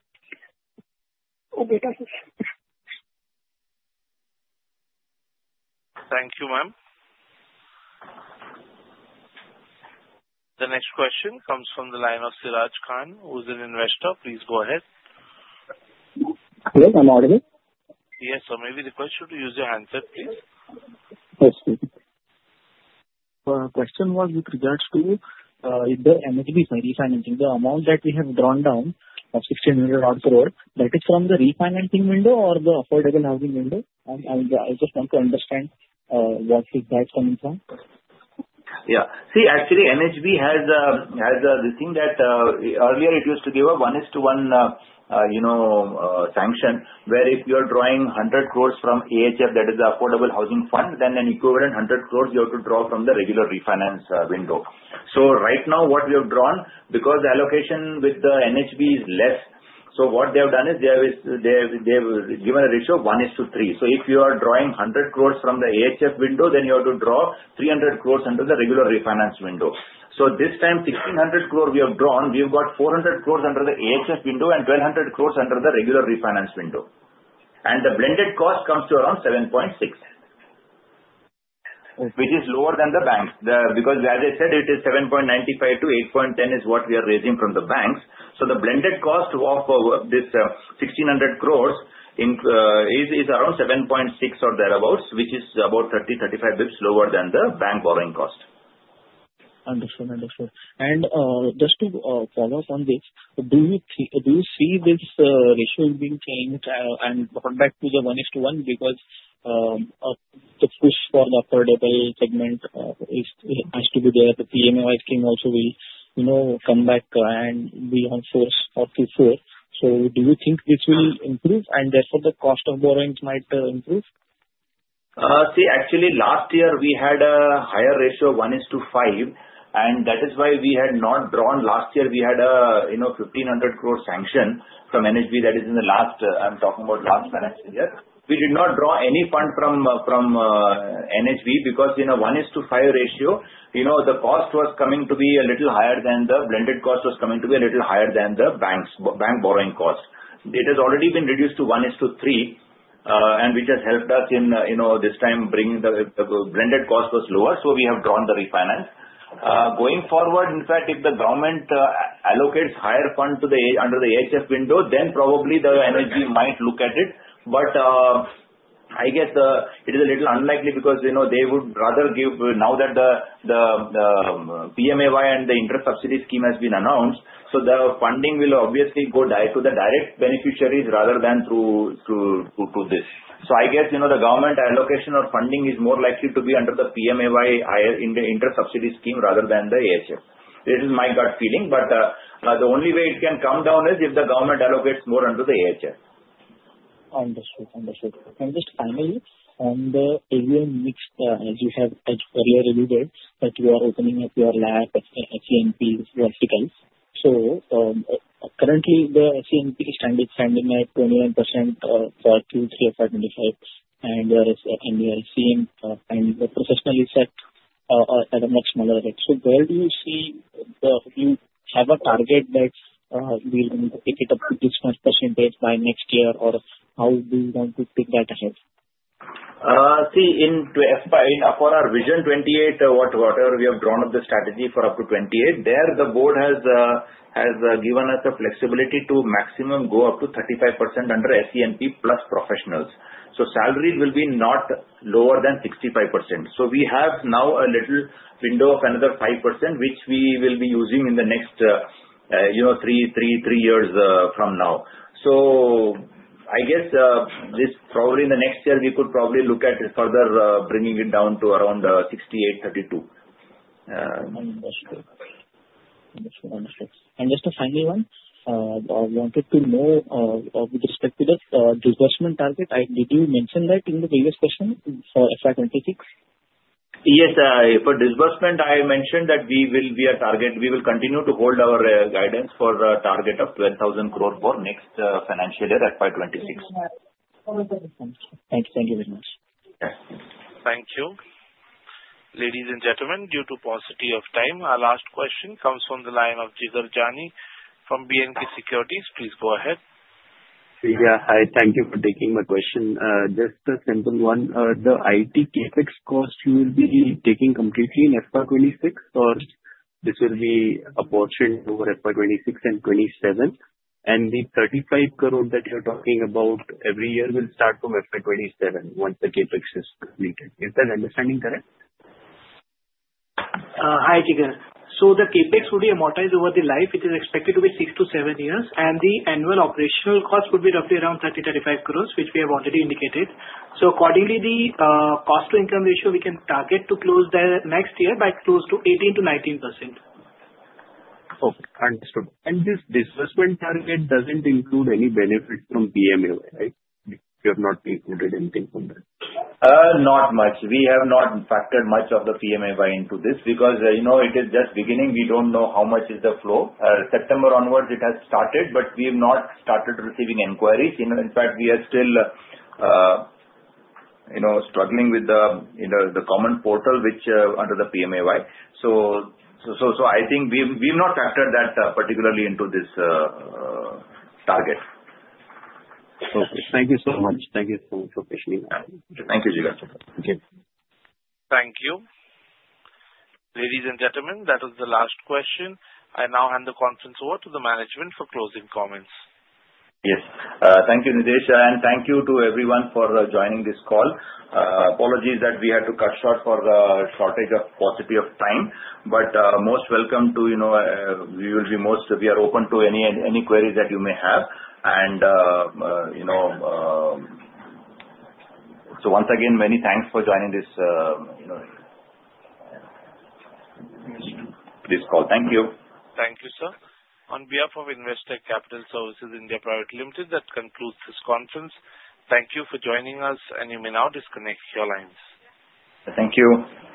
Okay. Perfect. Thank you, ma'am. The next question comes from the line of Siraj Khan, who is an investor. Please go ahead. Hello. I'm audible? Yes. So, maybe the question to use your answer, please. Yes. The question was with regards to the NHB's refinancing. The amount that we have drawn down of 1,600 odd crore, that is from the refinancing window or the affordable housing window? I just want to understand what feedback is coming from. Yeah. See, actually, NHB has the thing that earlier it used to give a 1:1 sanction, where if you are drawing 100 crores from AHF, that is the Affordable Housing Fund, then an equivalent 100 crores you have to draw from the regular refinance window. So right now, what we have drawn, because the allocation with the NHB is less, so what they have done is they have given a ratio of 1:3. So if you are drawing 100 crores from the AHF window, then you have to draw 300 crores under the regular refinance window. So this time, 1,600 crores we have drawn, we've got 400 crores under the AHF window and 1,200 crores under the regular refinance window. And the blended cost comes to around 7.6, which is lower than the banks. Because as I said, it is 7.95-8.10 is what we are raising from the banks. So the blended cost of this 1,600 crores is around 7.6 or thereabouts, which is about 30-35 basis points lower than the bank borrowing cost. Understood. Understood. And just to follow up on this, do you see this ratio is being changed and going back to the 1:1 because the push for the affordable segment has to be there? The PMAY wise team also will come back and be in force for Q4. So do you think this will improve and therefore the cost of borrowings might improve? See, actually, last year, we had a higher ratio of 1:5, and that is why we had not drawn. Last year, we had a 1,500 crore sanction from NHB that is in the last. I'm talking about last financial year. We did not draw any fund from NHB because in a 1:5 ratio, the cost was coming to be a little higher than the blended cost was coming to be a little higher than the bank borrowing cost. It has already been reduced to 1:3, which has helped us in this time bringing the blended cost was lower. So we have drawn the refinance. Going forward, in fact, if the government allocates higher fund under the AHF window, then probably the NHB might look at it. But I guess it is a little unlikely because they would rather give now that the PMAY and the interest subsidy scheme has been announced, so the funding will obviously go to the direct beneficiaries rather than through this. So I guess the government allocation or funding is more likely to be under the PMAY interest subsidy scheme rather than the AHF. This is my gut feeling. But the only way it can come down is if the government allocates more under the AHF. Understood. Understood. And just finally, on the AUM mix, you have earlier alluded that you are opening up your LAP, CNP, verticals. So currently, the CNP is standing at 29% for Q3 of 2025, and you are seeing the professional segment at a much smaller rate. So where do you see you have a target that you're going to take it up to this much percentage by next year, or how do you want to take that ahead? See, for our Vision 28, whatever we have drawn up the strategy for up to 28, there the board has given us the flexibility to maximum go up to 35% under SENP plus professionals. So salary will be not lower than 65%. So we have now a little window of another 5%, which we will be using in the next three years from now. So I guess this probably in the next year, we could probably look at further bringing it down to around 68%-32%. Understood. And just a final one, I wanted to know with respect to the disbursement target, did you mention that in the previous question for FY26? Yes. For disbursement, I mentioned that we will be a target. We will continue to hold our guidance for a target of 12,000 crores for next financial year FY26. Thank you. Thank you very much. Thank you. Ladies and gentlemen, due to paucity of time, our last question comes from the line of Jigar Jani from B&K Securities. Please go ahead. Yeah. Hi. Thank you for taking my question. Just a simple one. The IT CapEx cost, you will be taking completely in FY26, or this will be apportioned over FY26 and 27? And the 35 crores that you're talking about every year will start from FY27 once the CapEx is completed. Is that understanding correct? Hi, Jigar. So the CapEx would be amortized over the life. It is expected to be six to seven years, and the annual operational cost would be roughly around 30-35 crores, which we have already indicated. So accordingly, the cost-to-income ratio we can target to close the next year by close to 18%-19%. Okay. Understood. And this disbursement target doesn't include any benefit from PMAY, right? You have not included anything from that? Not much. We have not factored much of the PMAY into this because it is just beginning. We don't know how much is the flow. September onwards, it has started, but we have not started receiving inquiries. In fact, we are still struggling with the common portal, which is under the PMAY. So I think we have not factored that particularly into this target. Okay. Thank you so much. Thank you so much for questioning. Thank you, Jigar. Thank you. Thank you. Ladies and gentlemen, that was the last question. I now hand the conference over to the management for closing comments. Yes. Thank you, Nilesh, and thank you to everyone for joining this call. Apologies that we had to cut short for a paucity of time, but we are open to any queries that you may have. So once again, many thanks for joining this call. Thank you. Thank you, sir. On behalf of Investec Capital Services India Private Limited, that concludes this conference. Thank you for joining us, and you may now disconnect your lines. Thank you.